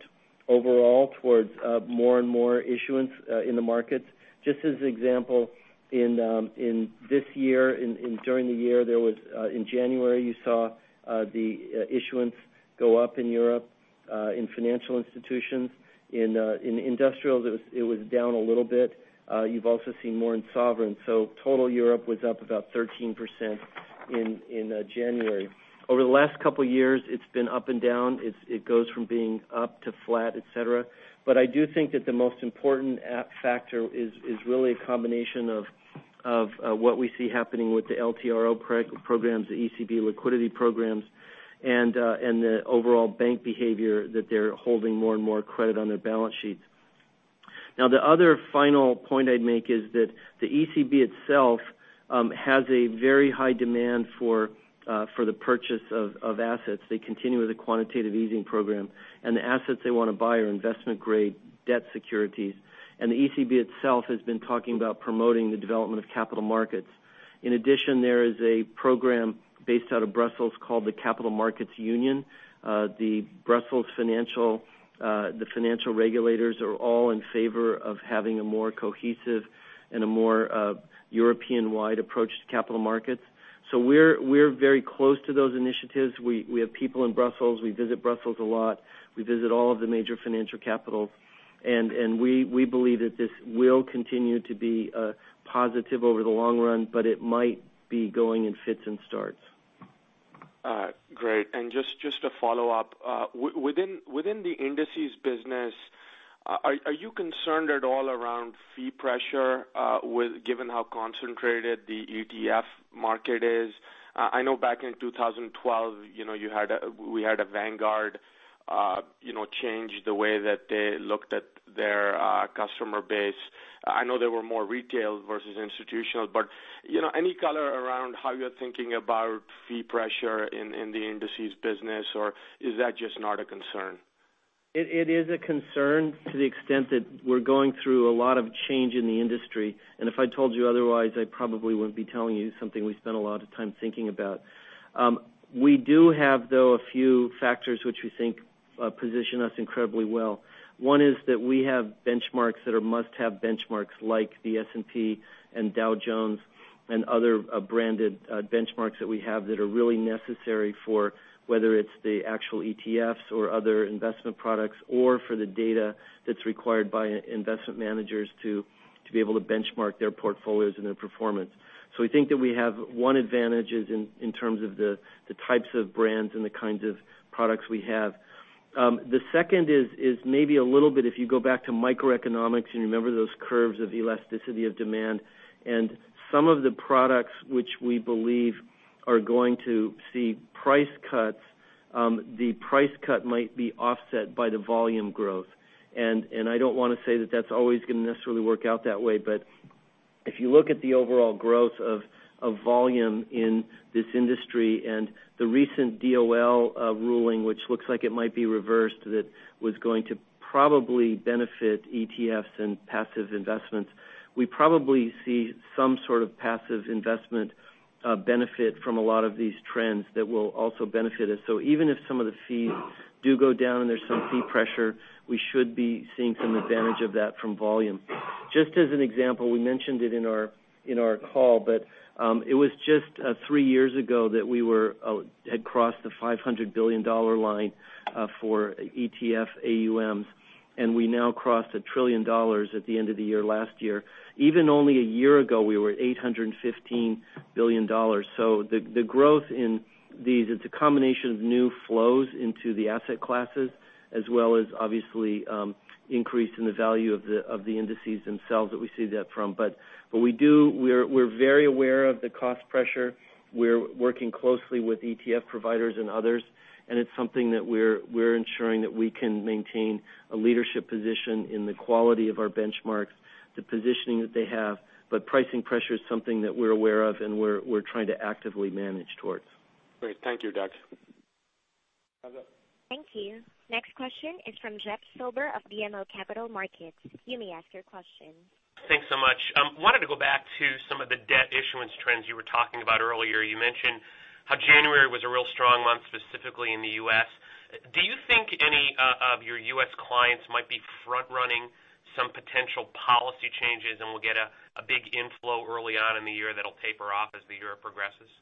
overall towards more and more issuance in the markets. Just as an example, in this year, during the year, in January, you saw the issuance go up in Europe, in financial institutions. In industrial, it was down a little bit. You've also seen more in sovereign. Total Europe was up about 13% in January. Over the last couple of years, it's been up and down. It goes from being up to flat, et cetera. I do think that the most important factor is really a combination of what we see happening with the LTRO programs, the ECB liquidity programs, and the overall bank behavior that they're holding more and more credit on their balance sheets. The other final point I'd make is that the ECB itself has a very high demand for the purchase of assets. They continue with the quantitative easing program, and the assets they want to buy are investment-grade debt securities. The ECB itself has been talking about promoting the development of capital markets. In addition, there is a program based out of Brussels called the Capital Markets Union. The Brussels financial regulators are all in favor of having a more cohesive and a more European-wide approach to capital markets. We're very close to those initiatives. We have people in Brussels. We visit Brussels a lot. We visit all of the major financial capitals, and we believe that this will continue to be positive over the long run, but it might be going in fits and starts. Great. Just to follow up. Within the indices business, are you concerned at all around fee pressure given how concentrated the ETF market is? I know back in 2012, we had a Vanguard change the way that they looked at their customer base. I know they were more retail versus institutional, any color around how you're thinking about fee pressure in the indices business, or is that just not a concern? It is a concern to the extent that we're going through a lot of change in the industry. If I told you otherwise, I probably wouldn't be telling you something we spent a lot of time thinking about. We do have, though, a few factors which we think position us incredibly well. One is that we have benchmarks that are must-have benchmarks, like the S&P and Dow Jones and other branded benchmarks that we have that are really necessary for whether it's the actual ETFs or other investment products or for the data that's required by investment managers to be able to benchmark their portfolios and their performance. We think that we have one advantage is in terms of the types of brands and the kinds of products we have. The second is maybe a little bit if you go back to microeconomics and you remember those curves of elasticity of demand, and some of the products which we believe are going to see price cuts, the price cut might be offset by the volume growth. I don't want to say that that's always going to necessarily work out that way, but if you look at the overall growth of volume in this industry and the recent DOL ruling, which looks like it might be reversed, that was going to probably benefit ETFs and passive investments. We probably see some sort of passive investment benefit from a lot of these trends that will also benefit us. Even if some of the fees do go down and there's some fee pressure, we should be seeing some advantage of that from volume. Just as an example, we mentioned it in our call, but it was just three years ago that we had crossed the $500 billion line for ETF AUMs, and we now crossed $1 trillion at the end of the year, last year. Even only a year ago, we were $815 billion. The growth in these, it's a combination of new flows into the asset classes as well as obviously increase in the value of the indices themselves that we see that from. We're very aware of the cost pressure. We're working closely with ETF providers and others, and it's something that we're ensuring that we can maintain a leadership position in the quality of our benchmarks, the positioning that they have. Pricing pressure is something that we're aware of and we're trying to actively manage towards. Great. Thank you, Doug. Thank you. Next question is from Jeffrey Silber of BMO Capital Markets. You may ask your question. Thanks so much. Wanted to go back to some of the debt issuance trends you were talking about earlier. You mentioned how January was a real strong month, specifically in the U.S. Do you think any of your U.S. clients might be front-running some potential policy changes, and we'll get a big inflow early on in the year that'll taper off as the year progresses?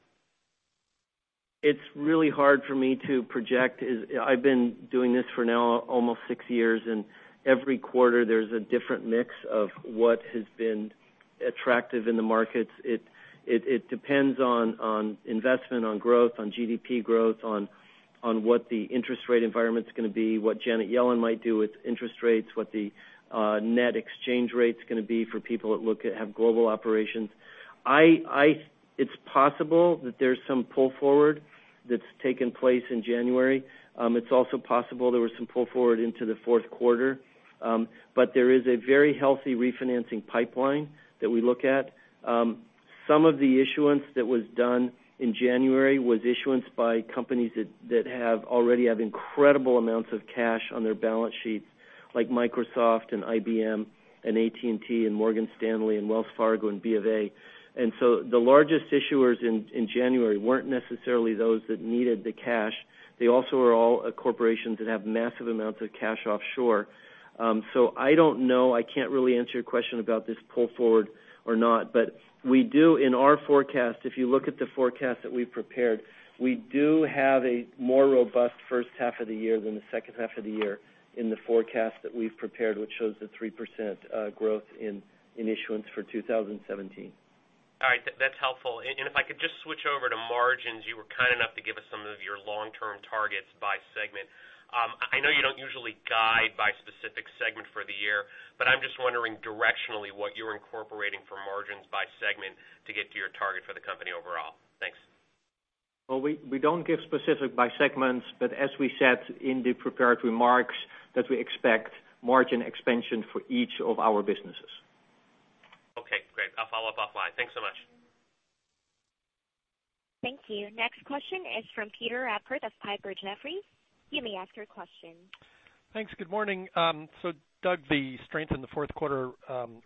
It's really hard for me to project. I've been doing this for now almost six years, and every quarter there's a different mix of what has been attractive in the markets. It depends on investment, on growth, on GDP growth, on what the interest rate environment's going to be, what Janet Yellen might do with interest rates, what the net exchange rate's going to be for people that have global operations. It's possible that there's some pull forward that's taken place in January. It's also possible there was some pull forward into the fourth quarter. There is a very healthy refinancing pipeline that we look at. Some of the issuance that was done in January was issuance by companies that already have incredible amounts of cash on their balance sheets, like Microsoft and IBM and AT&T and Morgan Stanley and Wells Fargo and Bank of America. The largest issuers in January weren't necessarily those that needed the cash. They also are all corporations that have massive amounts of cash offshore. I don't know. I can't really answer your question about this pull forward or not. We do, in our forecast, if you look at the forecast that we've prepared, we do have a more robust first half of the year than the second half of the year in the forecast that we've prepared, which shows the 3% growth in issuance for 2017. All right. That's helpful. If I could just switch over to margins, you were kind enough to give us some of your long-term targets by segment. I know you don't usually guide by specific segment for the year, but I'm just wondering directionally what you're incorporating for margins by segment to get to your target for the company overall. Thanks. Well, we don't give specific by segments, as we said in the prepared remarks, that we expect margin expansion for each of our businesses. Okay, great. I'll follow up offline. Thanks so much. Thank you. Next question is from Peter Appert of Piper Jaffray. You may ask your question. Thanks. Good morning. Doug, the strength in the fourth quarter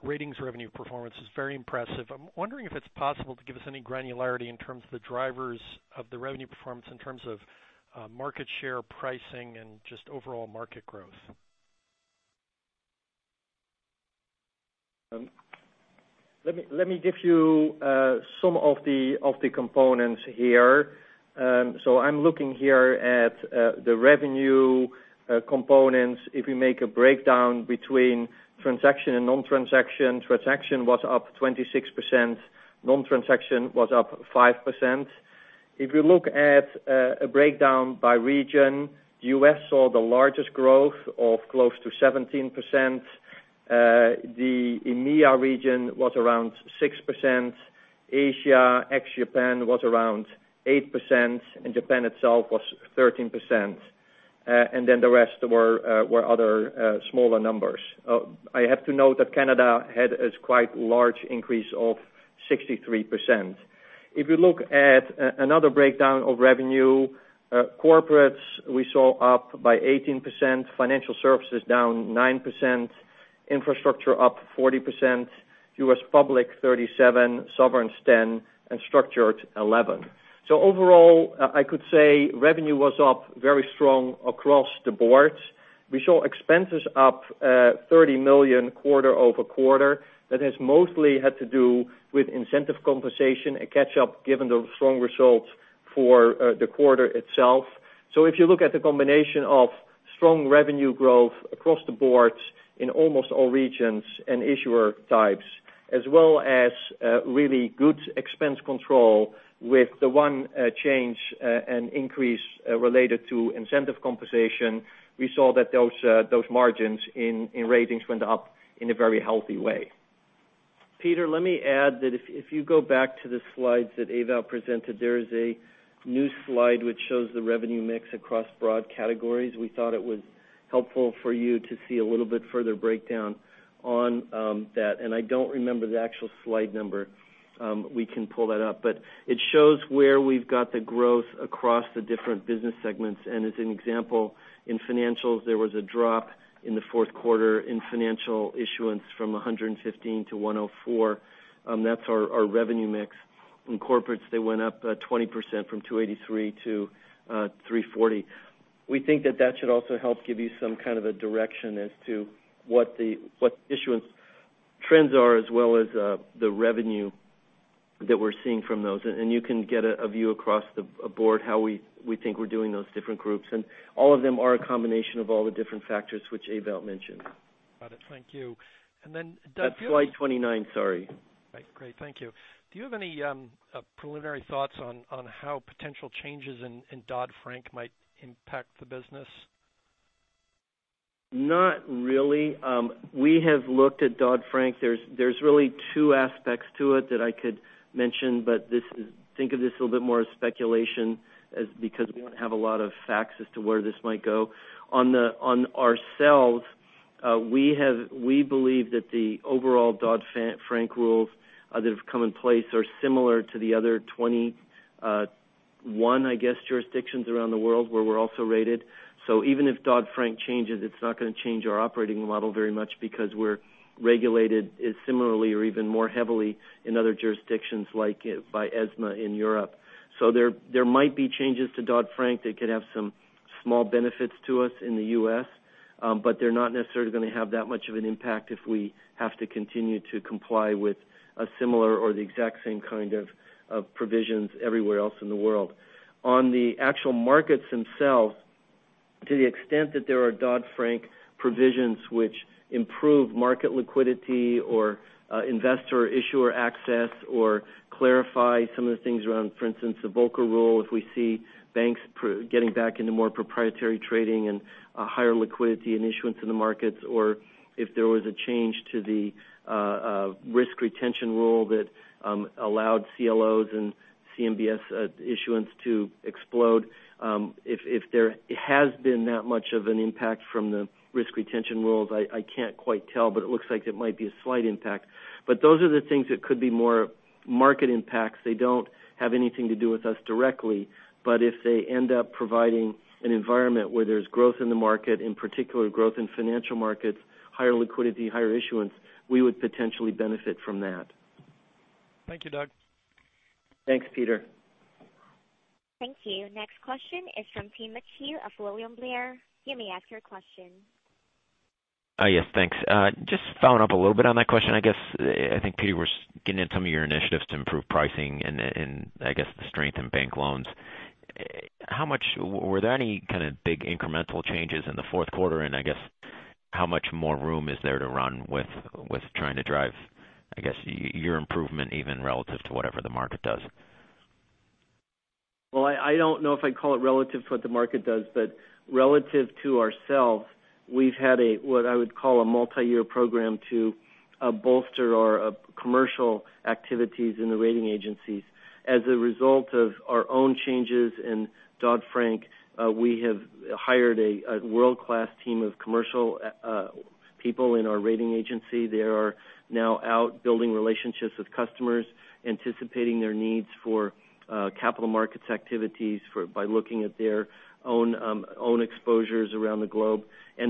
ratings revenue performance is very impressive. I'm wondering if it's possible to give us any granularity in terms of the drivers of the revenue performance, in terms of market share pricing and just overall market growth. Let me give you some of the components here. I'm looking here at the revenue components. If we make a breakdown between transaction and non-transaction, transaction was up 26%, non-transaction was up 5%. If you look at a breakdown by region, U.S. saw the largest growth of close to 17%. The EMEA region was around 6%. Asia, ex-Japan, was around 8%, Japan itself was 13%. The rest were other smaller numbers. I have to note that Canada had a quite large increase of 63%. If you look at another breakdown of revenue, corporates we saw up by 18%, financial services down 9%, infrastructure up 40%, U.S. public 37, sovereigns 10%, structured 11%. Overall, I could say revenue was up very strong across the board. We saw expenses up $30 million quarter-over-quarter. That has mostly had to do with incentive compensation, a catch-up, given the strong results for the quarter itself. If you look at the combination of strong revenue growth across the board in almost all regions and issuer types, as well as really good expense control with the one change and increase related to incentive compensation, we saw that those margins in ratings went up in a very healthy way. Peter, let me add that if you go back to the slides that Ewout presented, there is a new slide which shows the revenue mix across broad categories. We thought it was helpful for you to see a little bit further breakdown on that. I don't remember the actual slide number. We can pull that up. It shows where we've got the growth across the different business segments. As an example, in financials, there was a drop in the fourth quarter in financial issuance from $115-$104. That's our revenue mix. In corporates, they went up 20% from $283-$340. We think that that should also help give you some kind of a direction as to what the issuance trends are, as well as the revenue that we're seeing from those. You can get a view across the board how we think we're doing those different groups. All of them are a combination of all the different factors which Ewout mentioned. Got it. Thank you. Then, Doug- That's slide 29. Sorry. Right. Great. Thank you. Do you have any preliminary thoughts on how potential changes in Dodd-Frank might impact the business? Not really. We have looked at Dodd-Frank. There's really two aspects to it that I could mention, but think of this a little bit more as speculation because we don't have a lot of facts as to where this might go. On ourselves, we believe that the overall Dodd-Frank rules that have come in place are similar to the other 21, I guess, jurisdictions around the world where we're also rated. Even if Dodd-Frank changes, it's not going to change our operating model very much because we're regulated similarly or even more heavily in other jurisdictions, like by ESMA in Europe. There might be changes to Dodd-Frank that could have some small benefits to us in the U.S., but they're not necessarily going to have that much of an impact if we have to continue to comply with a similar or the exact same kind of provisions everywhere else in the world. On the actual markets themselves, to the extent that there are Dodd-Frank provisions which improve market liquidity or investor-issuer access or clarify some of the things around, for instance, the Volcker Rule, if we see banks getting back into more proprietary trading and higher liquidity and issuance in the markets, or if there was a change to the risk retention rule that allowed CLOs and CMBS issuance to explode. If there has been that much of an impact from the risk retention rules, I can't quite tell, but it looks like it might be a slight impact. Those are the things that could be more market impacts. They don't have anything to do with us directly, but if they end up providing an environment where there's growth in the market, in particular growth in financial markets, higher liquidity, higher issuance, we would potentially benefit from that. Thank you, Doug. Thanks, Peter. Thank you. Next question is from Tim McHugh of William Blair. You may ask your question. Thanks. Just following up a little bit on that question, I guess. I think, Peter, we're getting at some of your initiatives to improve pricing and I guess the strength in bank loans. Were there any kind of big incremental changes in the fourth quarter, I guess how much more room is there to run with trying to drive, I guess, your improvement even relative to whatever the market does? I don't know if I'd call it relative to what the market does, but relative to ourselves, we've had a what I would call a multi-year program to bolster our commercial activities in the rating agencies. As a result of our own changes in Dodd-Frank, we have hired a world-class team of commercial people in our rating agency. They are now out building relationships with customers, anticipating their needs for capital markets activities by looking at their own exposures around the globe.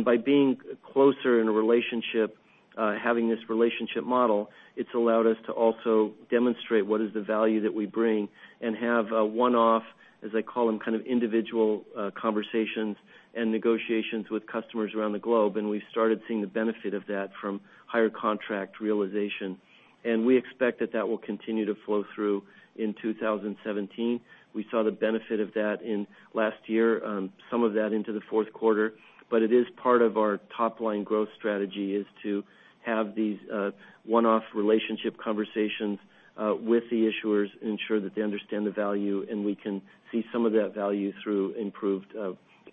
By being closer in a relationship, having this relationship model, it's allowed us to also demonstrate what is the value that we bring and have a one-off, as I call them, kind of individual conversations and negotiations with customers around the globe. We've started seeing the benefit of that from higher contract realization. We expect that that will continue to flow through in 2017. We saw the benefit of that in last year, some of that into the fourth quarter. It is part of our top-line growth strategy is to have these one-off relationship conversations with the issuers, ensure that they understand the value, and we can see some of that value through improved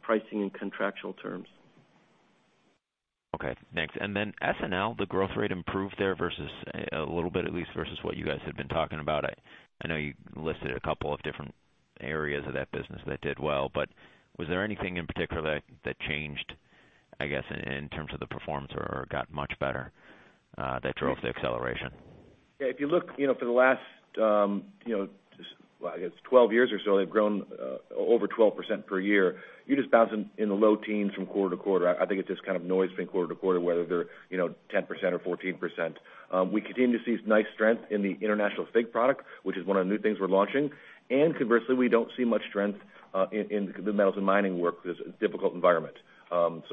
pricing and contractual terms. Okay, thanks. Then SNL, the growth rate improved there versus a little bit at least versus what you guys had been talking about. I know you listed a couple of different areas of that business that did well, but was there anything in particular that changed, I guess, in terms of the performance or got much better that drove the acceleration? Yeah, if you look for the last, I guess 12 years or so, they've grown over 12% per year. You just bounce in the low teens from quarter to quarter. I think it just kind of noise from quarter to quarter whether they're 10% or 14%. We continue to see nice strength in the international FIG product, which is one of the new things we're launching. Conversely, we don't see much strength in the metals and mining work. There's a difficult environment. Those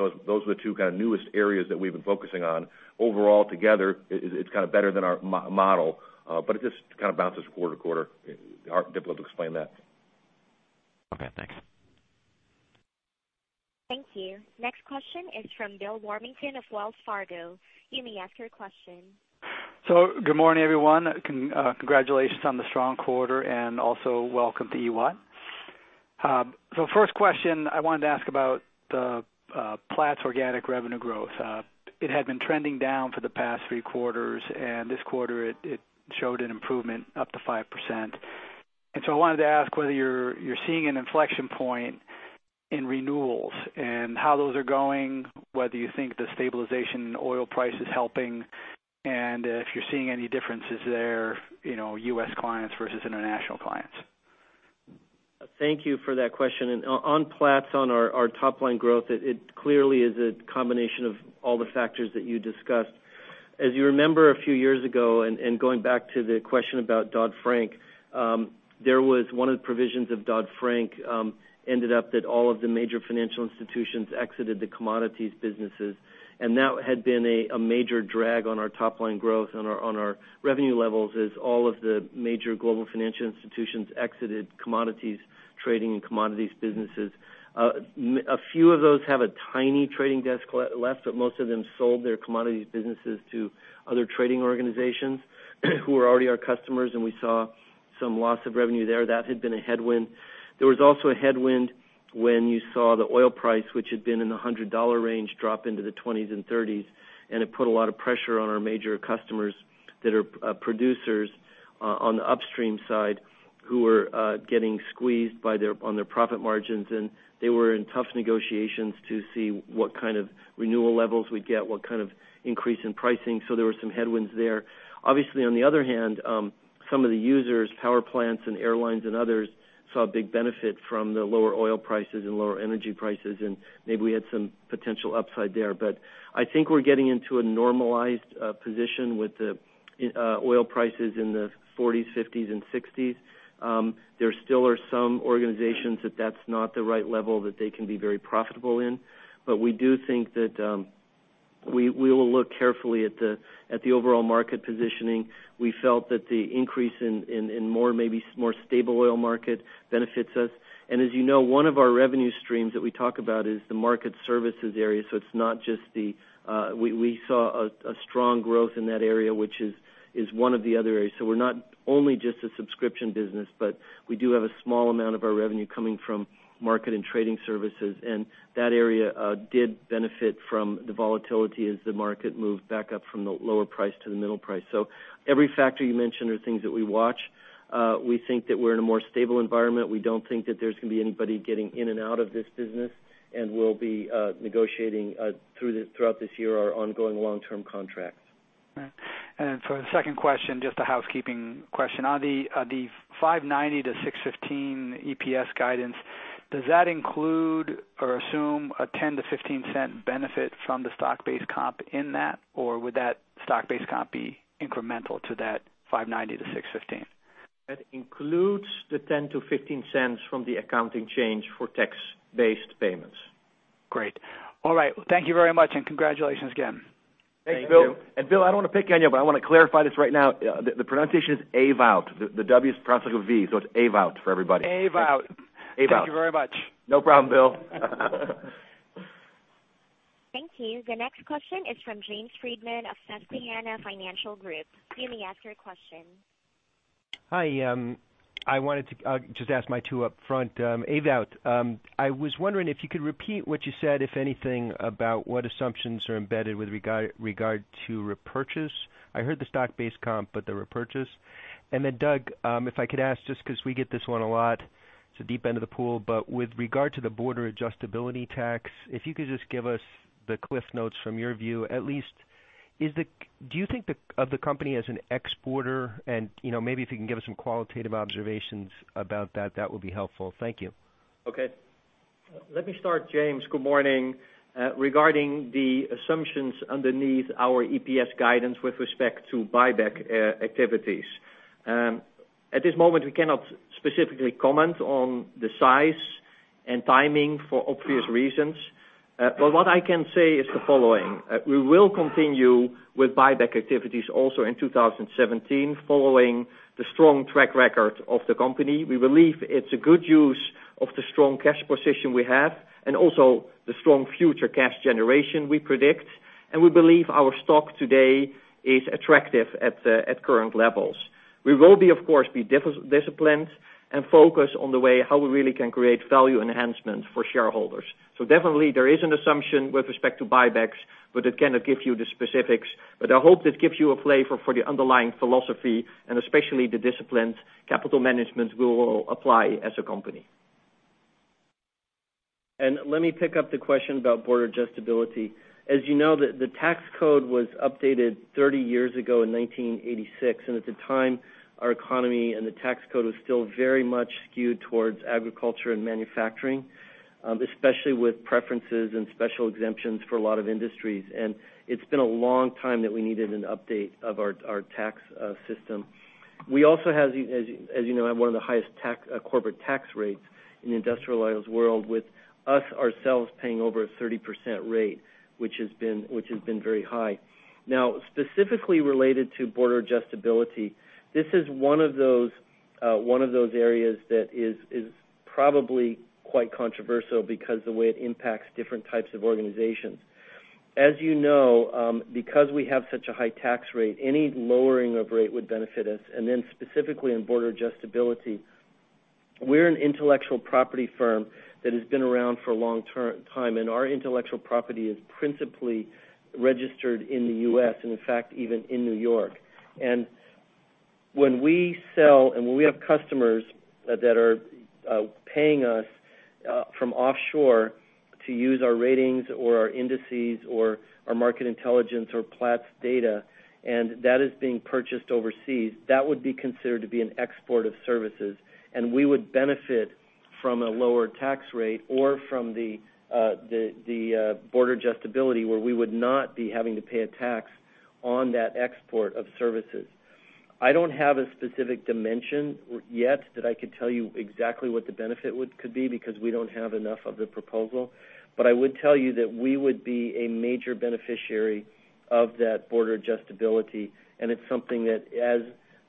are the two kind of newest areas that we've been focusing on. Overall together, it's kind of better than our model, but it just kind of bounces quarter to quarter. Difficult to explain that. Okay, thanks. Thank you. Next question is from Bill Warmington of Wells Fargo. You may ask your question. Good morning, everyone. Congratulations on the strong quarter and also welcome to Ewout. First question, I wanted to ask about the Platts organic revenue growth. It had been trending down for the past three quarters, and this quarter it showed an improvement up to 5%. I wanted to ask whether you're seeing an inflection point in renewals and how those are going, whether you think the stabilization in oil price is helping, and if you're seeing any differences there, U.S. clients versus international clients. Thank you for that question. On Platts, on our top-line growth, it clearly is a combination of all the factors that you discussed. As you remember a few years ago, and going back to the question about Dodd-Frank, there was one of the provisions of Dodd-Frank ended up that all of the major financial institutions exited the commodities businesses. That had been a major drag on our top-line growth on our revenue levels as all of the major global financial institutions exited commodities trading and commodities businesses. A few of those have a tiny trading desk left, but most of them sold their commodities businesses to other trading organizations who were already our customers, and we saw some loss of revenue there. That had been a headwind. There was also a headwind when you saw the oil price, which had been in the $100 range, drop into the 20s and 30s, and it put a lot of pressure on our major customers that are producers on the upstream side who were getting squeezed on their profit margins, and they were in tough negotiations to see what kind of renewal levels we'd get, what kind of increase in pricing. There were some headwinds there. Obviously, on the other hand, some of the users, power plants and airlines and others, saw a big benefit from the lower oil prices and lower energy prices, and maybe we had some potential upside there. I think we're getting into a normalized position with the oil prices in the 40s, 50s and 60s. There still are some organizations that that's not the right level that they can be very profitable in. We do think that we will look carefully at the overall market positioning. We felt that the increase in maybe more stable oil market benefits us. As you know, one of our revenue streams that we talk about is the market services area. It's not just We saw strong growth in that area, which is one of the other areas. We're not only just a subscription business, but we do have a small amount of our revenue coming from market and trading services, and that area did benefit from the volatility as the market moved back up from the lower price to the middle price. Every factor you mentioned are things that we watch. We think that we're in a more stable environment. We don't think that there's going to be anybody getting in and out of this business, and we'll be negotiating throughout this year our ongoing long-term contracts. Right. For the second question, just a housekeeping question. On the $5.90-$6.15 EPS guidance, does that include or assume a $0.10-$0.15 benefit from the stock-based comp in that? Would that stock-based comp be incremental to that $5.90-$6.15? That includes the $0.10-$0.15 from the accounting change for tax-based payments. Great. All right. Thank you very much, congratulations again. Thank you. Thank you. Bill, I don't want to pick on you, but I want to clarify this right now. The pronunciation is Awaut. The W is pronounced like a V. It's Awaut for everybody. Awaut. Awaut. Thank you very much. No problem, Bill. Thank you. The next question is from James Friedman of Susquehanna Financial Group. You may ask your question. Hi. I wanted to just ask my two upfront. Ewout, I was wondering if you could repeat what you said, if anything, about what assumptions are embedded with regard to repurchase. I heard the stock-based comp, but the repurchase. Doug, if I could ask, just because we get this one a lot, it's a deep end of the pool, but with regard to the border adjustability tax, if you could just give us the CliffsNotes from your view at least. Do you think of the company as an exporter? And maybe if you can give us some qualitative observations about that would be helpful. Thank you. Okay. Let me start, James. Good morning. Regarding the assumptions underneath our EPS guidance with respect to buyback activities. At this moment, we cannot specifically comment on the size and timing for obvious reasons. What I can say is the following. We will continue with buyback activities also in 2017 following the strong track record of the company. We believe it's a good use of the strong cash position we have, and also the strong future cash generation we predict, and we believe our stock today is attractive at current levels. We will, of course, be disciplined and focused on the way how we really can create value enhancements for shareholders. Definitely there is an assumption with respect to buybacks, but I cannot give you the specifics. I hope that gives you a flavor for the underlying philosophy and especially the disciplined capital management we will apply as a company. Let me pick up the question about border adjustability. As you know, the tax code was updated 30 years ago in 1986, and at the time, our economy and the tax code was still very much skewed towards agriculture and manufacturing, especially with preferences and special exemptions for a lot of industries. It's been a long time that we needed an update of our tax system. We also have, as you know, have one of the highest corporate tax rates in the industrialized world, with us ourselves paying over a 30% rate, which has been very high. Now, specifically related to border adjustability, this is one of those areas that is probably quite controversial because the way it impacts different types of organizations. As you know, because we have such a high tax rate, any lowering of rate would benefit us. Specifically on border adjustability, we're an intellectual property firm that has been around for a long time, and our intellectual property is principally registered in the U.S., and in fact, even in New York. When we sell and when we have customers that are paying us from offshore to use our ratings or our indices or our Market Intelligence or Platts data, and that is being purchased overseas, that would be considered to be an export of services, and we would benefit from a lower tax rate or from the border adjustability where we would not be having to pay a tax on that export of services. I don't have a specific dimension yet that I could tell you exactly what the benefit could be because we don't have enough of the proposal. I would tell you that we would be a major beneficiary of that border adjustability, and it's something that as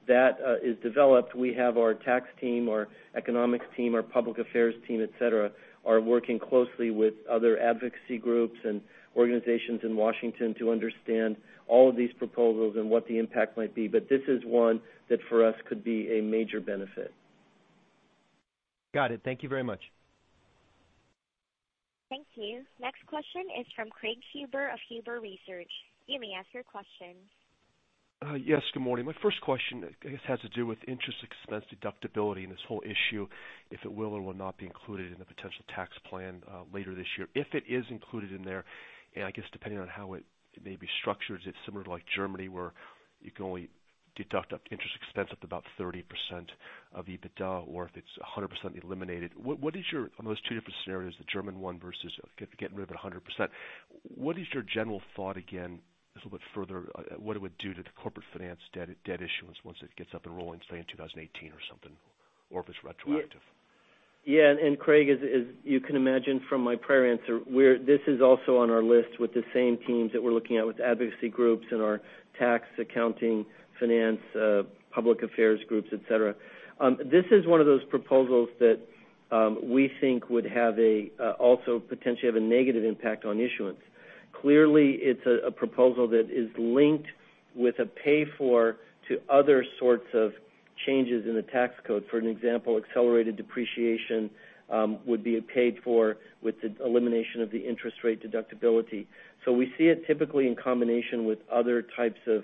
that is developed, we have our tax team, our economics team, our public affairs team, et cetera, are working closely with other advocacy groups and organizations in Washington to understand all of these proposals and what the impact might be. This is one that for us could be a major benefit. Got it. Thank you very much. Thank you. Next question is from Craig Huber of Huber Research Partners. You may ask your question. Yes, good morning. My first question, I guess, has to do with interest expense deductibility and this whole issue, if it will or will not be included in the potential tax plan later this year. If it is included in there, and I guess depending on how it may be structured, if it's similar to Germany, where you can only deduct interest expense up to about 30% of EBITDA, or if it's 100% eliminated. On those two different scenarios, the German one versus getting rid of it 100%, what is your general thought again, a little bit further, what it would do to the corporate finance debt issuance once it gets up and rolling, say in 2018 or something, or if it's retroactive? Yeah. Craig, as you can imagine from my prior answer, this is also on our list with the same teams that we're looking at with advocacy groups and our tax accounting, finance, public affairs groups, et cetera. This is one of those proposals that we think would also potentially have a negative impact on issuance. Clearly, it's a proposal that is linked with a pay for to other sorts of changes in the tax code. For example, accelerated depreciation would be paid for with the elimination of the interest rate deductibility. We see it typically in combination with other types of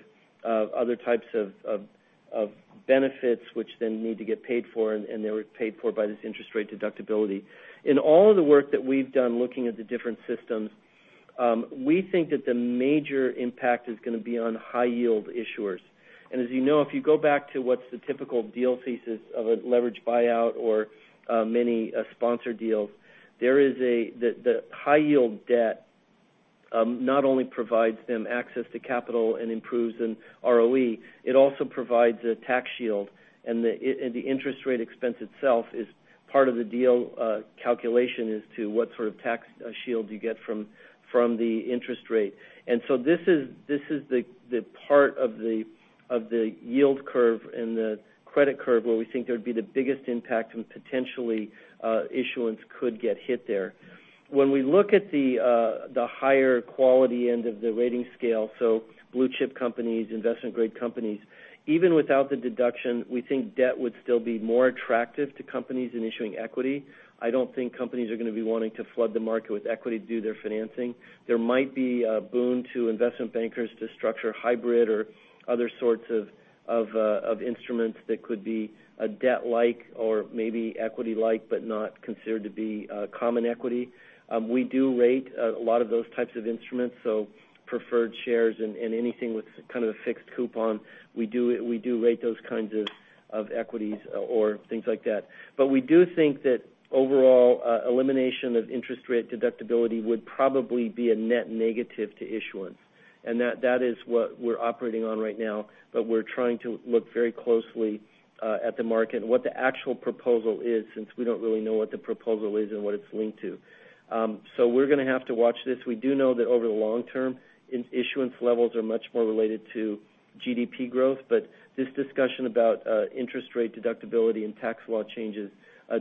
benefits, which then need to get paid for, and they were paid for by this interest rate deductibility. In all of the work that we've done looking at the different systems, we think that the major impact is going to be on high yield issuers. As you know, if you go back to what's the typical deal thesis of a leverage buyout or many sponsor deals, the high yield debt not only provides them access to capital and improves in ROE, it also provides a tax shield, and the interest rate expense itself is part of the deal calculation as to what sort of tax shield you get from the interest rate. This is the part of the yield curve and the credit curve where we think there would be the biggest impact, and potentially issuance could get hit there. When we look at the higher quality end of the rating scale, so Blue-chip companies, investment grade companies, even without the deduction, we think debt would still be more attractive to companies in issuing equity. I don't think companies are going to be wanting to flood the market with equity to do their financing. There might be a boon to investment bankers to structure hybrid or other sorts of instruments that could be debt-like or maybe equity-like, but not considered to be common equity. We do rate a lot of those types of instruments, so preferred shares and anything with kind of a fixed coupon. We do rate those kinds of equities or things like that. We do think that overall, elimination of interest rate deductibility would probably be a net negative to issuance, and that is what we're operating on right now. We're trying to look very closely at the market and what the actual proposal is, since we don't really know what the proposal is and what it's linked to. We're going to have to watch this. We do know that over the long term, issuance levels are much more related to GDP growth. This discussion about interest rate deductibility and tax law changes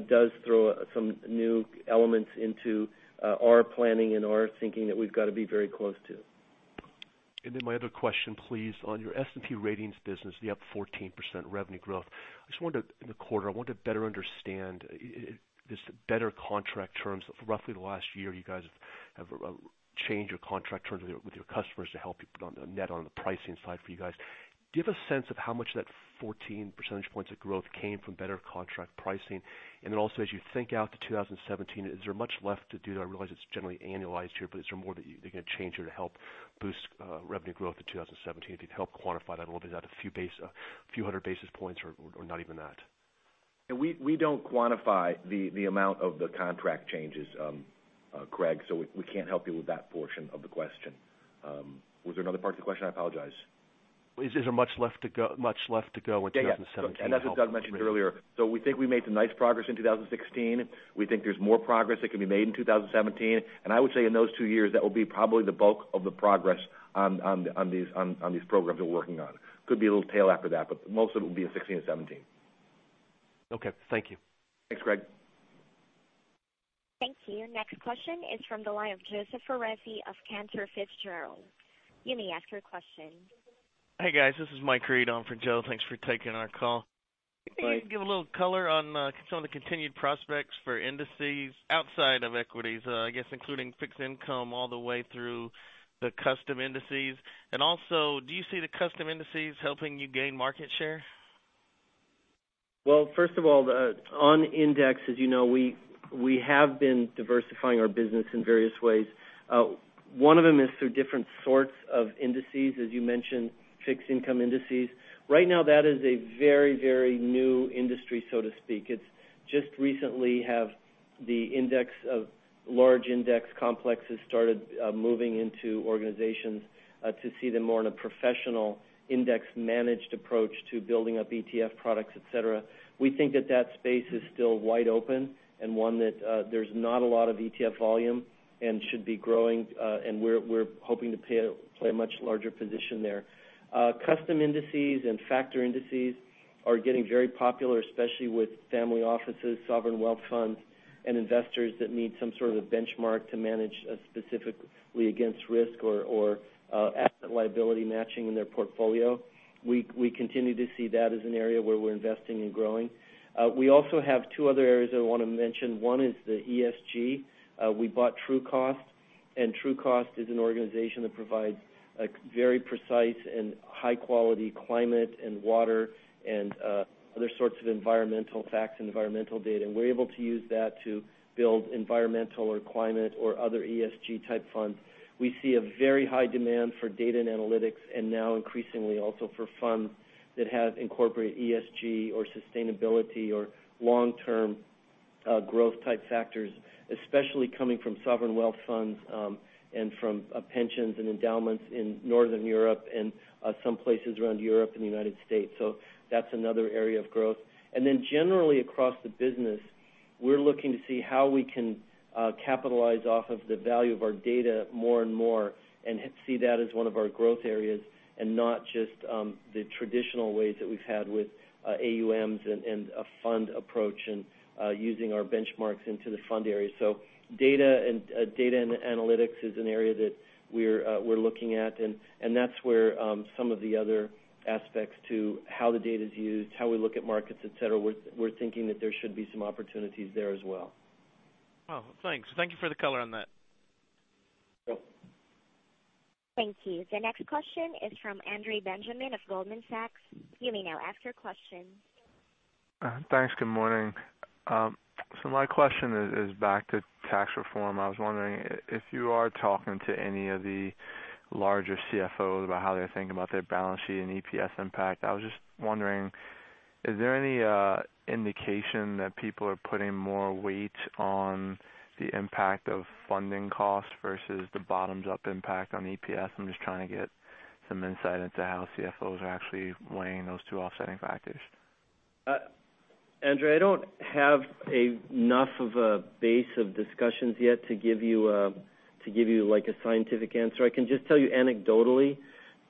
does throw some new elements into our planning and our thinking that we've got to be very close to. My other question, please, on your S&P Ratings business, the up 14% revenue growth in the quarter, I want to better understand this better contract terms. For roughly the last year, you guys have changed your contract terms with your customers to help you put on the net on the pricing side for you guys. Do you have a sense of how much that 14 percentage points of growth came from better contract pricing? Also, as you think out to 2017, is there much left to do there? I realize it's generally annualized here, but is there more that you can change here to help boost revenue growth in 2017? If you'd help quantify that a little bit. Is that a few hundred basis points or not even that? We don't quantify the amount of the contract changes, Craig. We can't help you with that portion of the question. Was there another part to the question? I apologize. Is there much left to go in 2017? Yeah. As Doug mentioned earlier, we think we made some nice progress in 2016. We think there's more progress that can be made in 2017. I would say in those two years, that will be probably the bulk of the progress on these programs we're working on. Could be a little tail after that, but most of it will be in 2016 and 2017. Okay. Thank you. Thanks, Craig. Thank you. Your next question is from the line of Joseph Foresi of Cantor Fitzgerald. You may ask your question. Hey, guys. This is Mike Reid on for Joe. Thanks for taking our call. Mike- Do you think you can give a little color on some of the continued prospects for indices outside of equities, I guess including fixed income all the way through the custom indices? Also, do you see the custom indices helping you gain market share? Well, first of all, on index, as you know, we have been diversifying our business in various ways. One of them is through different sorts of indices, as you mentioned, fixed income indices. Right now, that is a very new industry, so to speak. It just recently have the index of large index complexes started moving into organizations to see them more in a professional index managed approach to building up ETF products, et cetera. We think that space is still wide open and one that there's not a lot of ETF volume and should be growing, and we're hoping to play a much larger position there. Custom indices and factor indices are getting very popular, especially with family offices, sovereign wealth funds, and investors that need some sort of benchmark to manage specifically against risk or asset liability matching in their portfolio. We continue to see that as an area where we're investing and growing. We also have two other areas I want to mention. One is the ESG. We bought Trucost, and Trucost is an organization that provides a very precise and high-quality climate and water and other sorts of environmental facts and environmental data. We're able to use that to build environmental or climate or other ESG type funds. We see a very high demand for data and analytics, and now increasingly also for funds that have incorporated ESG or sustainability or long-term growth type factors, especially coming from sovereign wealth funds and from pensions and endowments in Northern Europe and some places around Europe and the United States. That's another area of growth. Generally across the business We're looking to see how we can capitalize off of the value of our data more and more, and see that as one of our growth areas and not just the traditional ways that we've had with AUMs and a fund approach and using our benchmarks into the fund area. Data and analytics is an area that we're looking at, and that's where some of the other aspects to how the data's used, how we look at markets, et cetera, we're thinking that there should be some opportunities there as well. Thanks. Thank you for the color on that. Yep. Thank you. The next question is from Andre Benjamin of Goldman Sachs. You may now ask your question. Thanks. Good morning. My question is back to tax reform. I was wondering if you are talking to any of the larger CFOs about how they're thinking about their balance sheet and EPS impact. I was just wondering, is there any indication that people are putting more weight on the impact of funding costs versus the bottoms-up impact on EPS? I'm just trying to get some insight into how CFOs are actually weighing those two offsetting factors. Andre, I don't have enough of a base of discussions yet to give you a scientific answer. I can just tell you anecdotally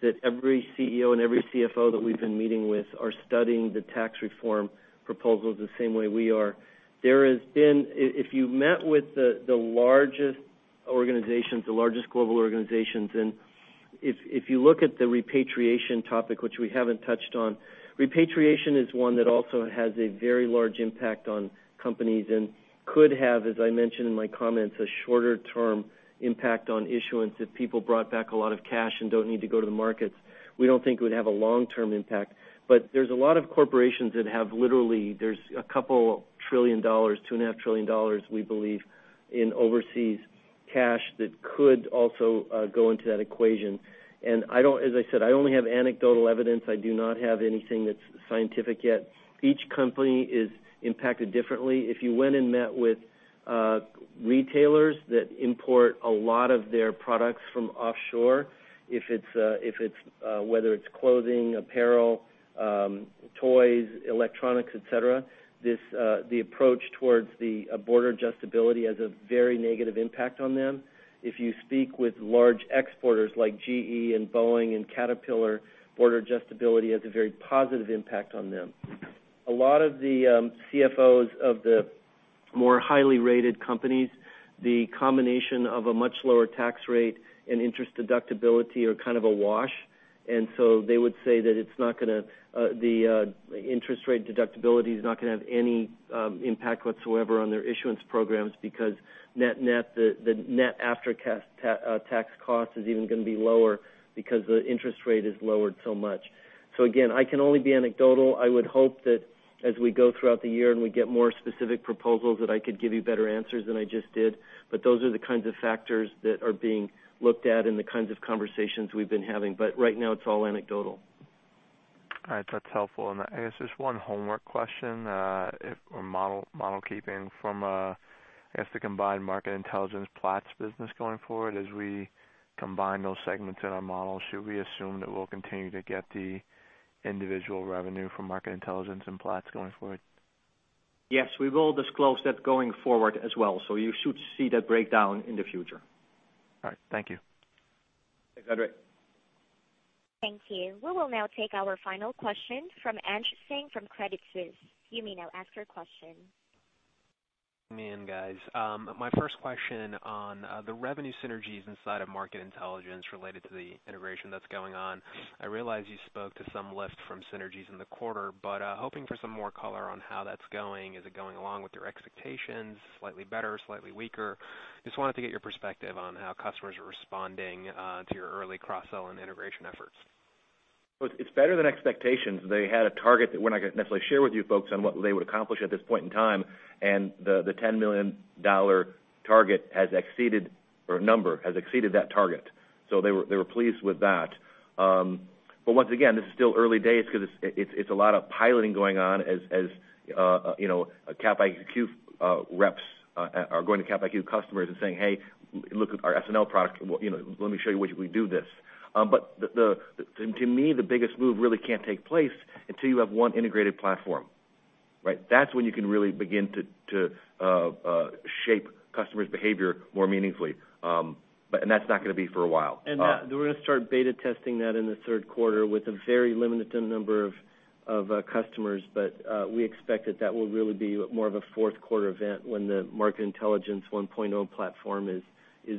that every CEO and every CFO that we've been meeting with are studying the tax reform proposals the same way we are. If you met with the largest global organizations, if you look at the repatriation topic, which we haven't touched on, repatriation is one that also has a very large impact on companies and could have, as I mentioned in my comments, a shorter-term impact on issuance if people brought back a lot of cash and don't need to go to the markets. We don't think it would have a long-term impact. There's a lot of corporations that have literally-- there's a couple trillion dollars, $2.5 trillion, we believe, in overseas cash that could also go into that equation. As I said, I only have anecdotal evidence. I do not have anything that's scientific yet. Each company is impacted differently. If you went and met with retailers that import a lot of their products from offshore, whether it's clothing, apparel, toys, electronics, et cetera, the approach towards the border adjustability has a very negative impact on them. If you speak with large exporters like GE and Boeing and Caterpillar, border adjustability has a very positive impact on them. A lot of the CFOs of the more highly rated companies, the combination of a much lower tax rate and interest deductibility are kind of a wash. They would say that the interest rate deductibility is not going to have any impact whatsoever on their issuance programs because the net after-tax cost is even going to be lower because the interest rate is lowered so much. Again, I can only be anecdotal. I would hope that as we go throughout the year and we get more specific proposals, that I could give you better answers than I just did. Those are the kinds of factors that are being looked at and the kinds of conversations we've been having. Right now, it's all anecdotal. All right. That's helpful. I guess just one homework question or model keeping from, I guess, the combined Market Intelligence/Platts business going forward. As we combine those segments in our model, should we assume that we'll continue to get the individual revenue from Market Intelligence and Platts going forward? Yes. We will disclose that going forward as well. You should see that breakdown in the future. All right. Thank you. Thanks, Andre. Thank you. We will now take our final question from Anjaneya Singh from Credit Suisse. You may now ask your question. Man, guys. My first question on the revenue synergies inside of Market Intelligence related to the integration that's going on. I realize you spoke to some lift from synergies in the quarter, but hoping for some more color on how that's going. Is it going along with your expectations, slightly better, slightly weaker? Just wanted to get your perspective on how customers are responding to your early cross-sell and integration efforts. It's better than expectations. They had a target that we're not going to necessarily share with you folks on what they would accomplish at this point in time, and the $10 million target has exceeded or number has exceeded that target. They were pleased with that. To me, the biggest move really can't take place until you have one integrated platform, right? That's when you can really begin to shape customers' behavior more meaningfully. That's not going to be for a while. We're going to start beta testing that in the third quarter with a very limited number of customers. We expect that that will really be more of a fourth quarter event when the Market Intelligence 1.0 platform is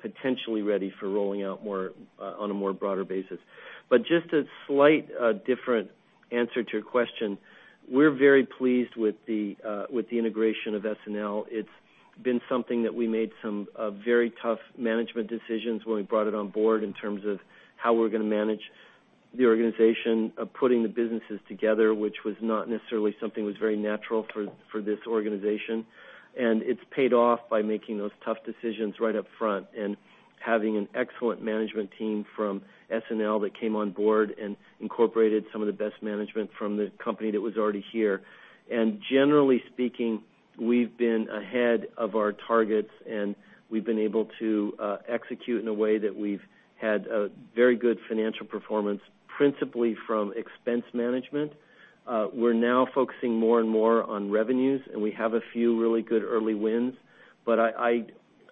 potentially ready for rolling out on a more broader basis. Just a slight different answer to your question, we're very pleased with the integration of SNL. It's been something that we made some very tough management decisions when we brought it on board in terms of how we're going to manage the organization of putting the businesses together, which was not necessarily something that was very natural for this organization. It's paid off by making those tough decisions right up front and having an excellent management team from SNL that came on board and incorporated some of the best management from the company that was already here. Generally speaking, we've been ahead of our targets, and we've been able to execute in a way that we've had a very good financial performance, principally from expense management. We're now focusing more and more on revenues, and we have a few really good early wins.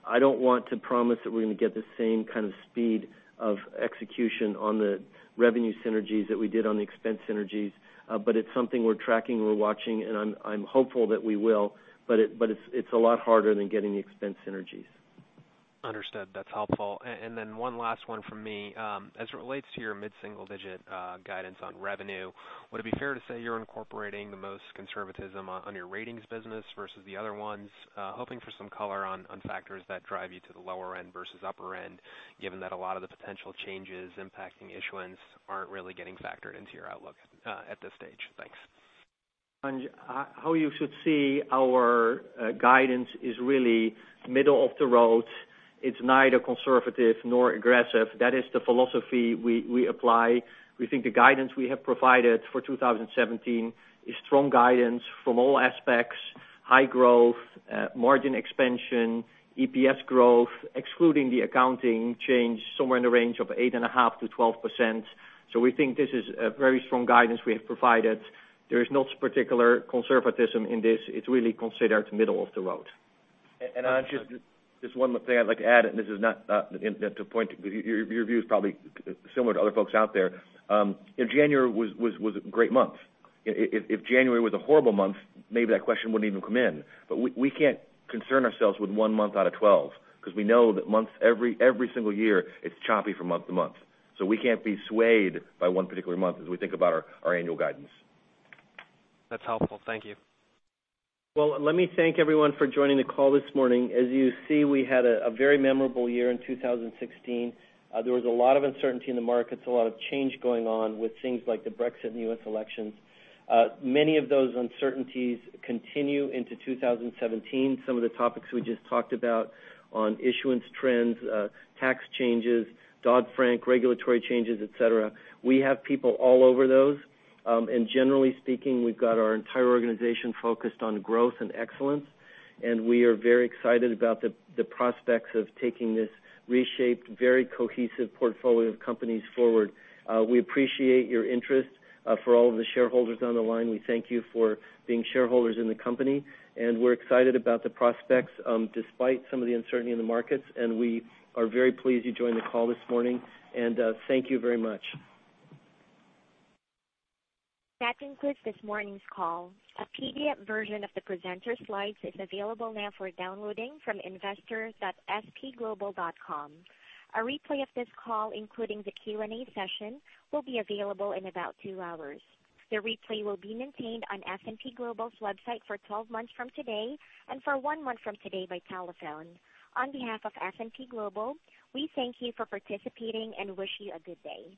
I don't want to promise that we're going to get the same kind of speed of execution on the revenue synergies that we did on the expense synergies. It's something we're tracking, we're watching, and I'm hopeful that we will, but it's a lot harder than getting the expense synergies. Understood. That's helpful. One last one from me. As it relates to your mid-single-digit guidance on revenue, would it be fair to say you're incorporating the most conservatism on your ratings business versus the other ones? Hoping for some color on factors that drive you to the lower end versus upper end, given that a lot of the potential changes impacting issuance aren't really getting factored into your outlook at this stage. Thanks. How you should see our guidance is really middle of the road. It is neither conservative nor aggressive. That is the philosophy we apply. We think the guidance we have provided for 2017 is strong guidance from all aspects, high growth, margin expansion, EPS growth, excluding the accounting change, somewhere in the range of 8.5%-12%. We think this is a very strong guidance we have provided. There is no particular conservatism in this. It is really considered middle of the road. Just one little thing I would like to add, this is not to point, because your view is probably similar to other folks out there. January was a great month. If January was a horrible month, maybe that question wouldn't even come in. We cannot concern ourselves with one month out of 12 because we know that months, every single year, it is choppy from month to month. We cannot be swayed by one particular month as we think about our annual guidance. That is helpful. Thank you. Let me thank everyone for joining the call this morning. As you see, we had a very memorable year in 2016. There was a lot of uncertainty in the markets, a lot of change going on with things like the Brexit and U.S. elections. Many of those uncertainties continue into 2017. Some of the topics we just talked about on issuance trends, tax changes, Dodd-Frank, regulatory changes, et cetera. We have people all over those. Generally speaking, we have got our entire organization focused on growth and excellence, and we are very excited about the prospects of taking this reshaped, very cohesive portfolio of companies forward. We appreciate your interest. For all of the shareholders on the line, we thank you for being shareholders in the company, we're excited about the prospects despite some of the uncertainty in the markets, we are very pleased you joined the call this morning, thank you very much. That concludes this morning's call. A PDF version of the presenter slides is available now for downloading from investors.spglobal.com. A replay of this call, including the Q&A session, will be available in about two hours. The replay will be maintained on S&P Global's website for 12 months from today and for one month from today by telephone. On behalf of S&P Global, we thank you for participating and wish you a good day.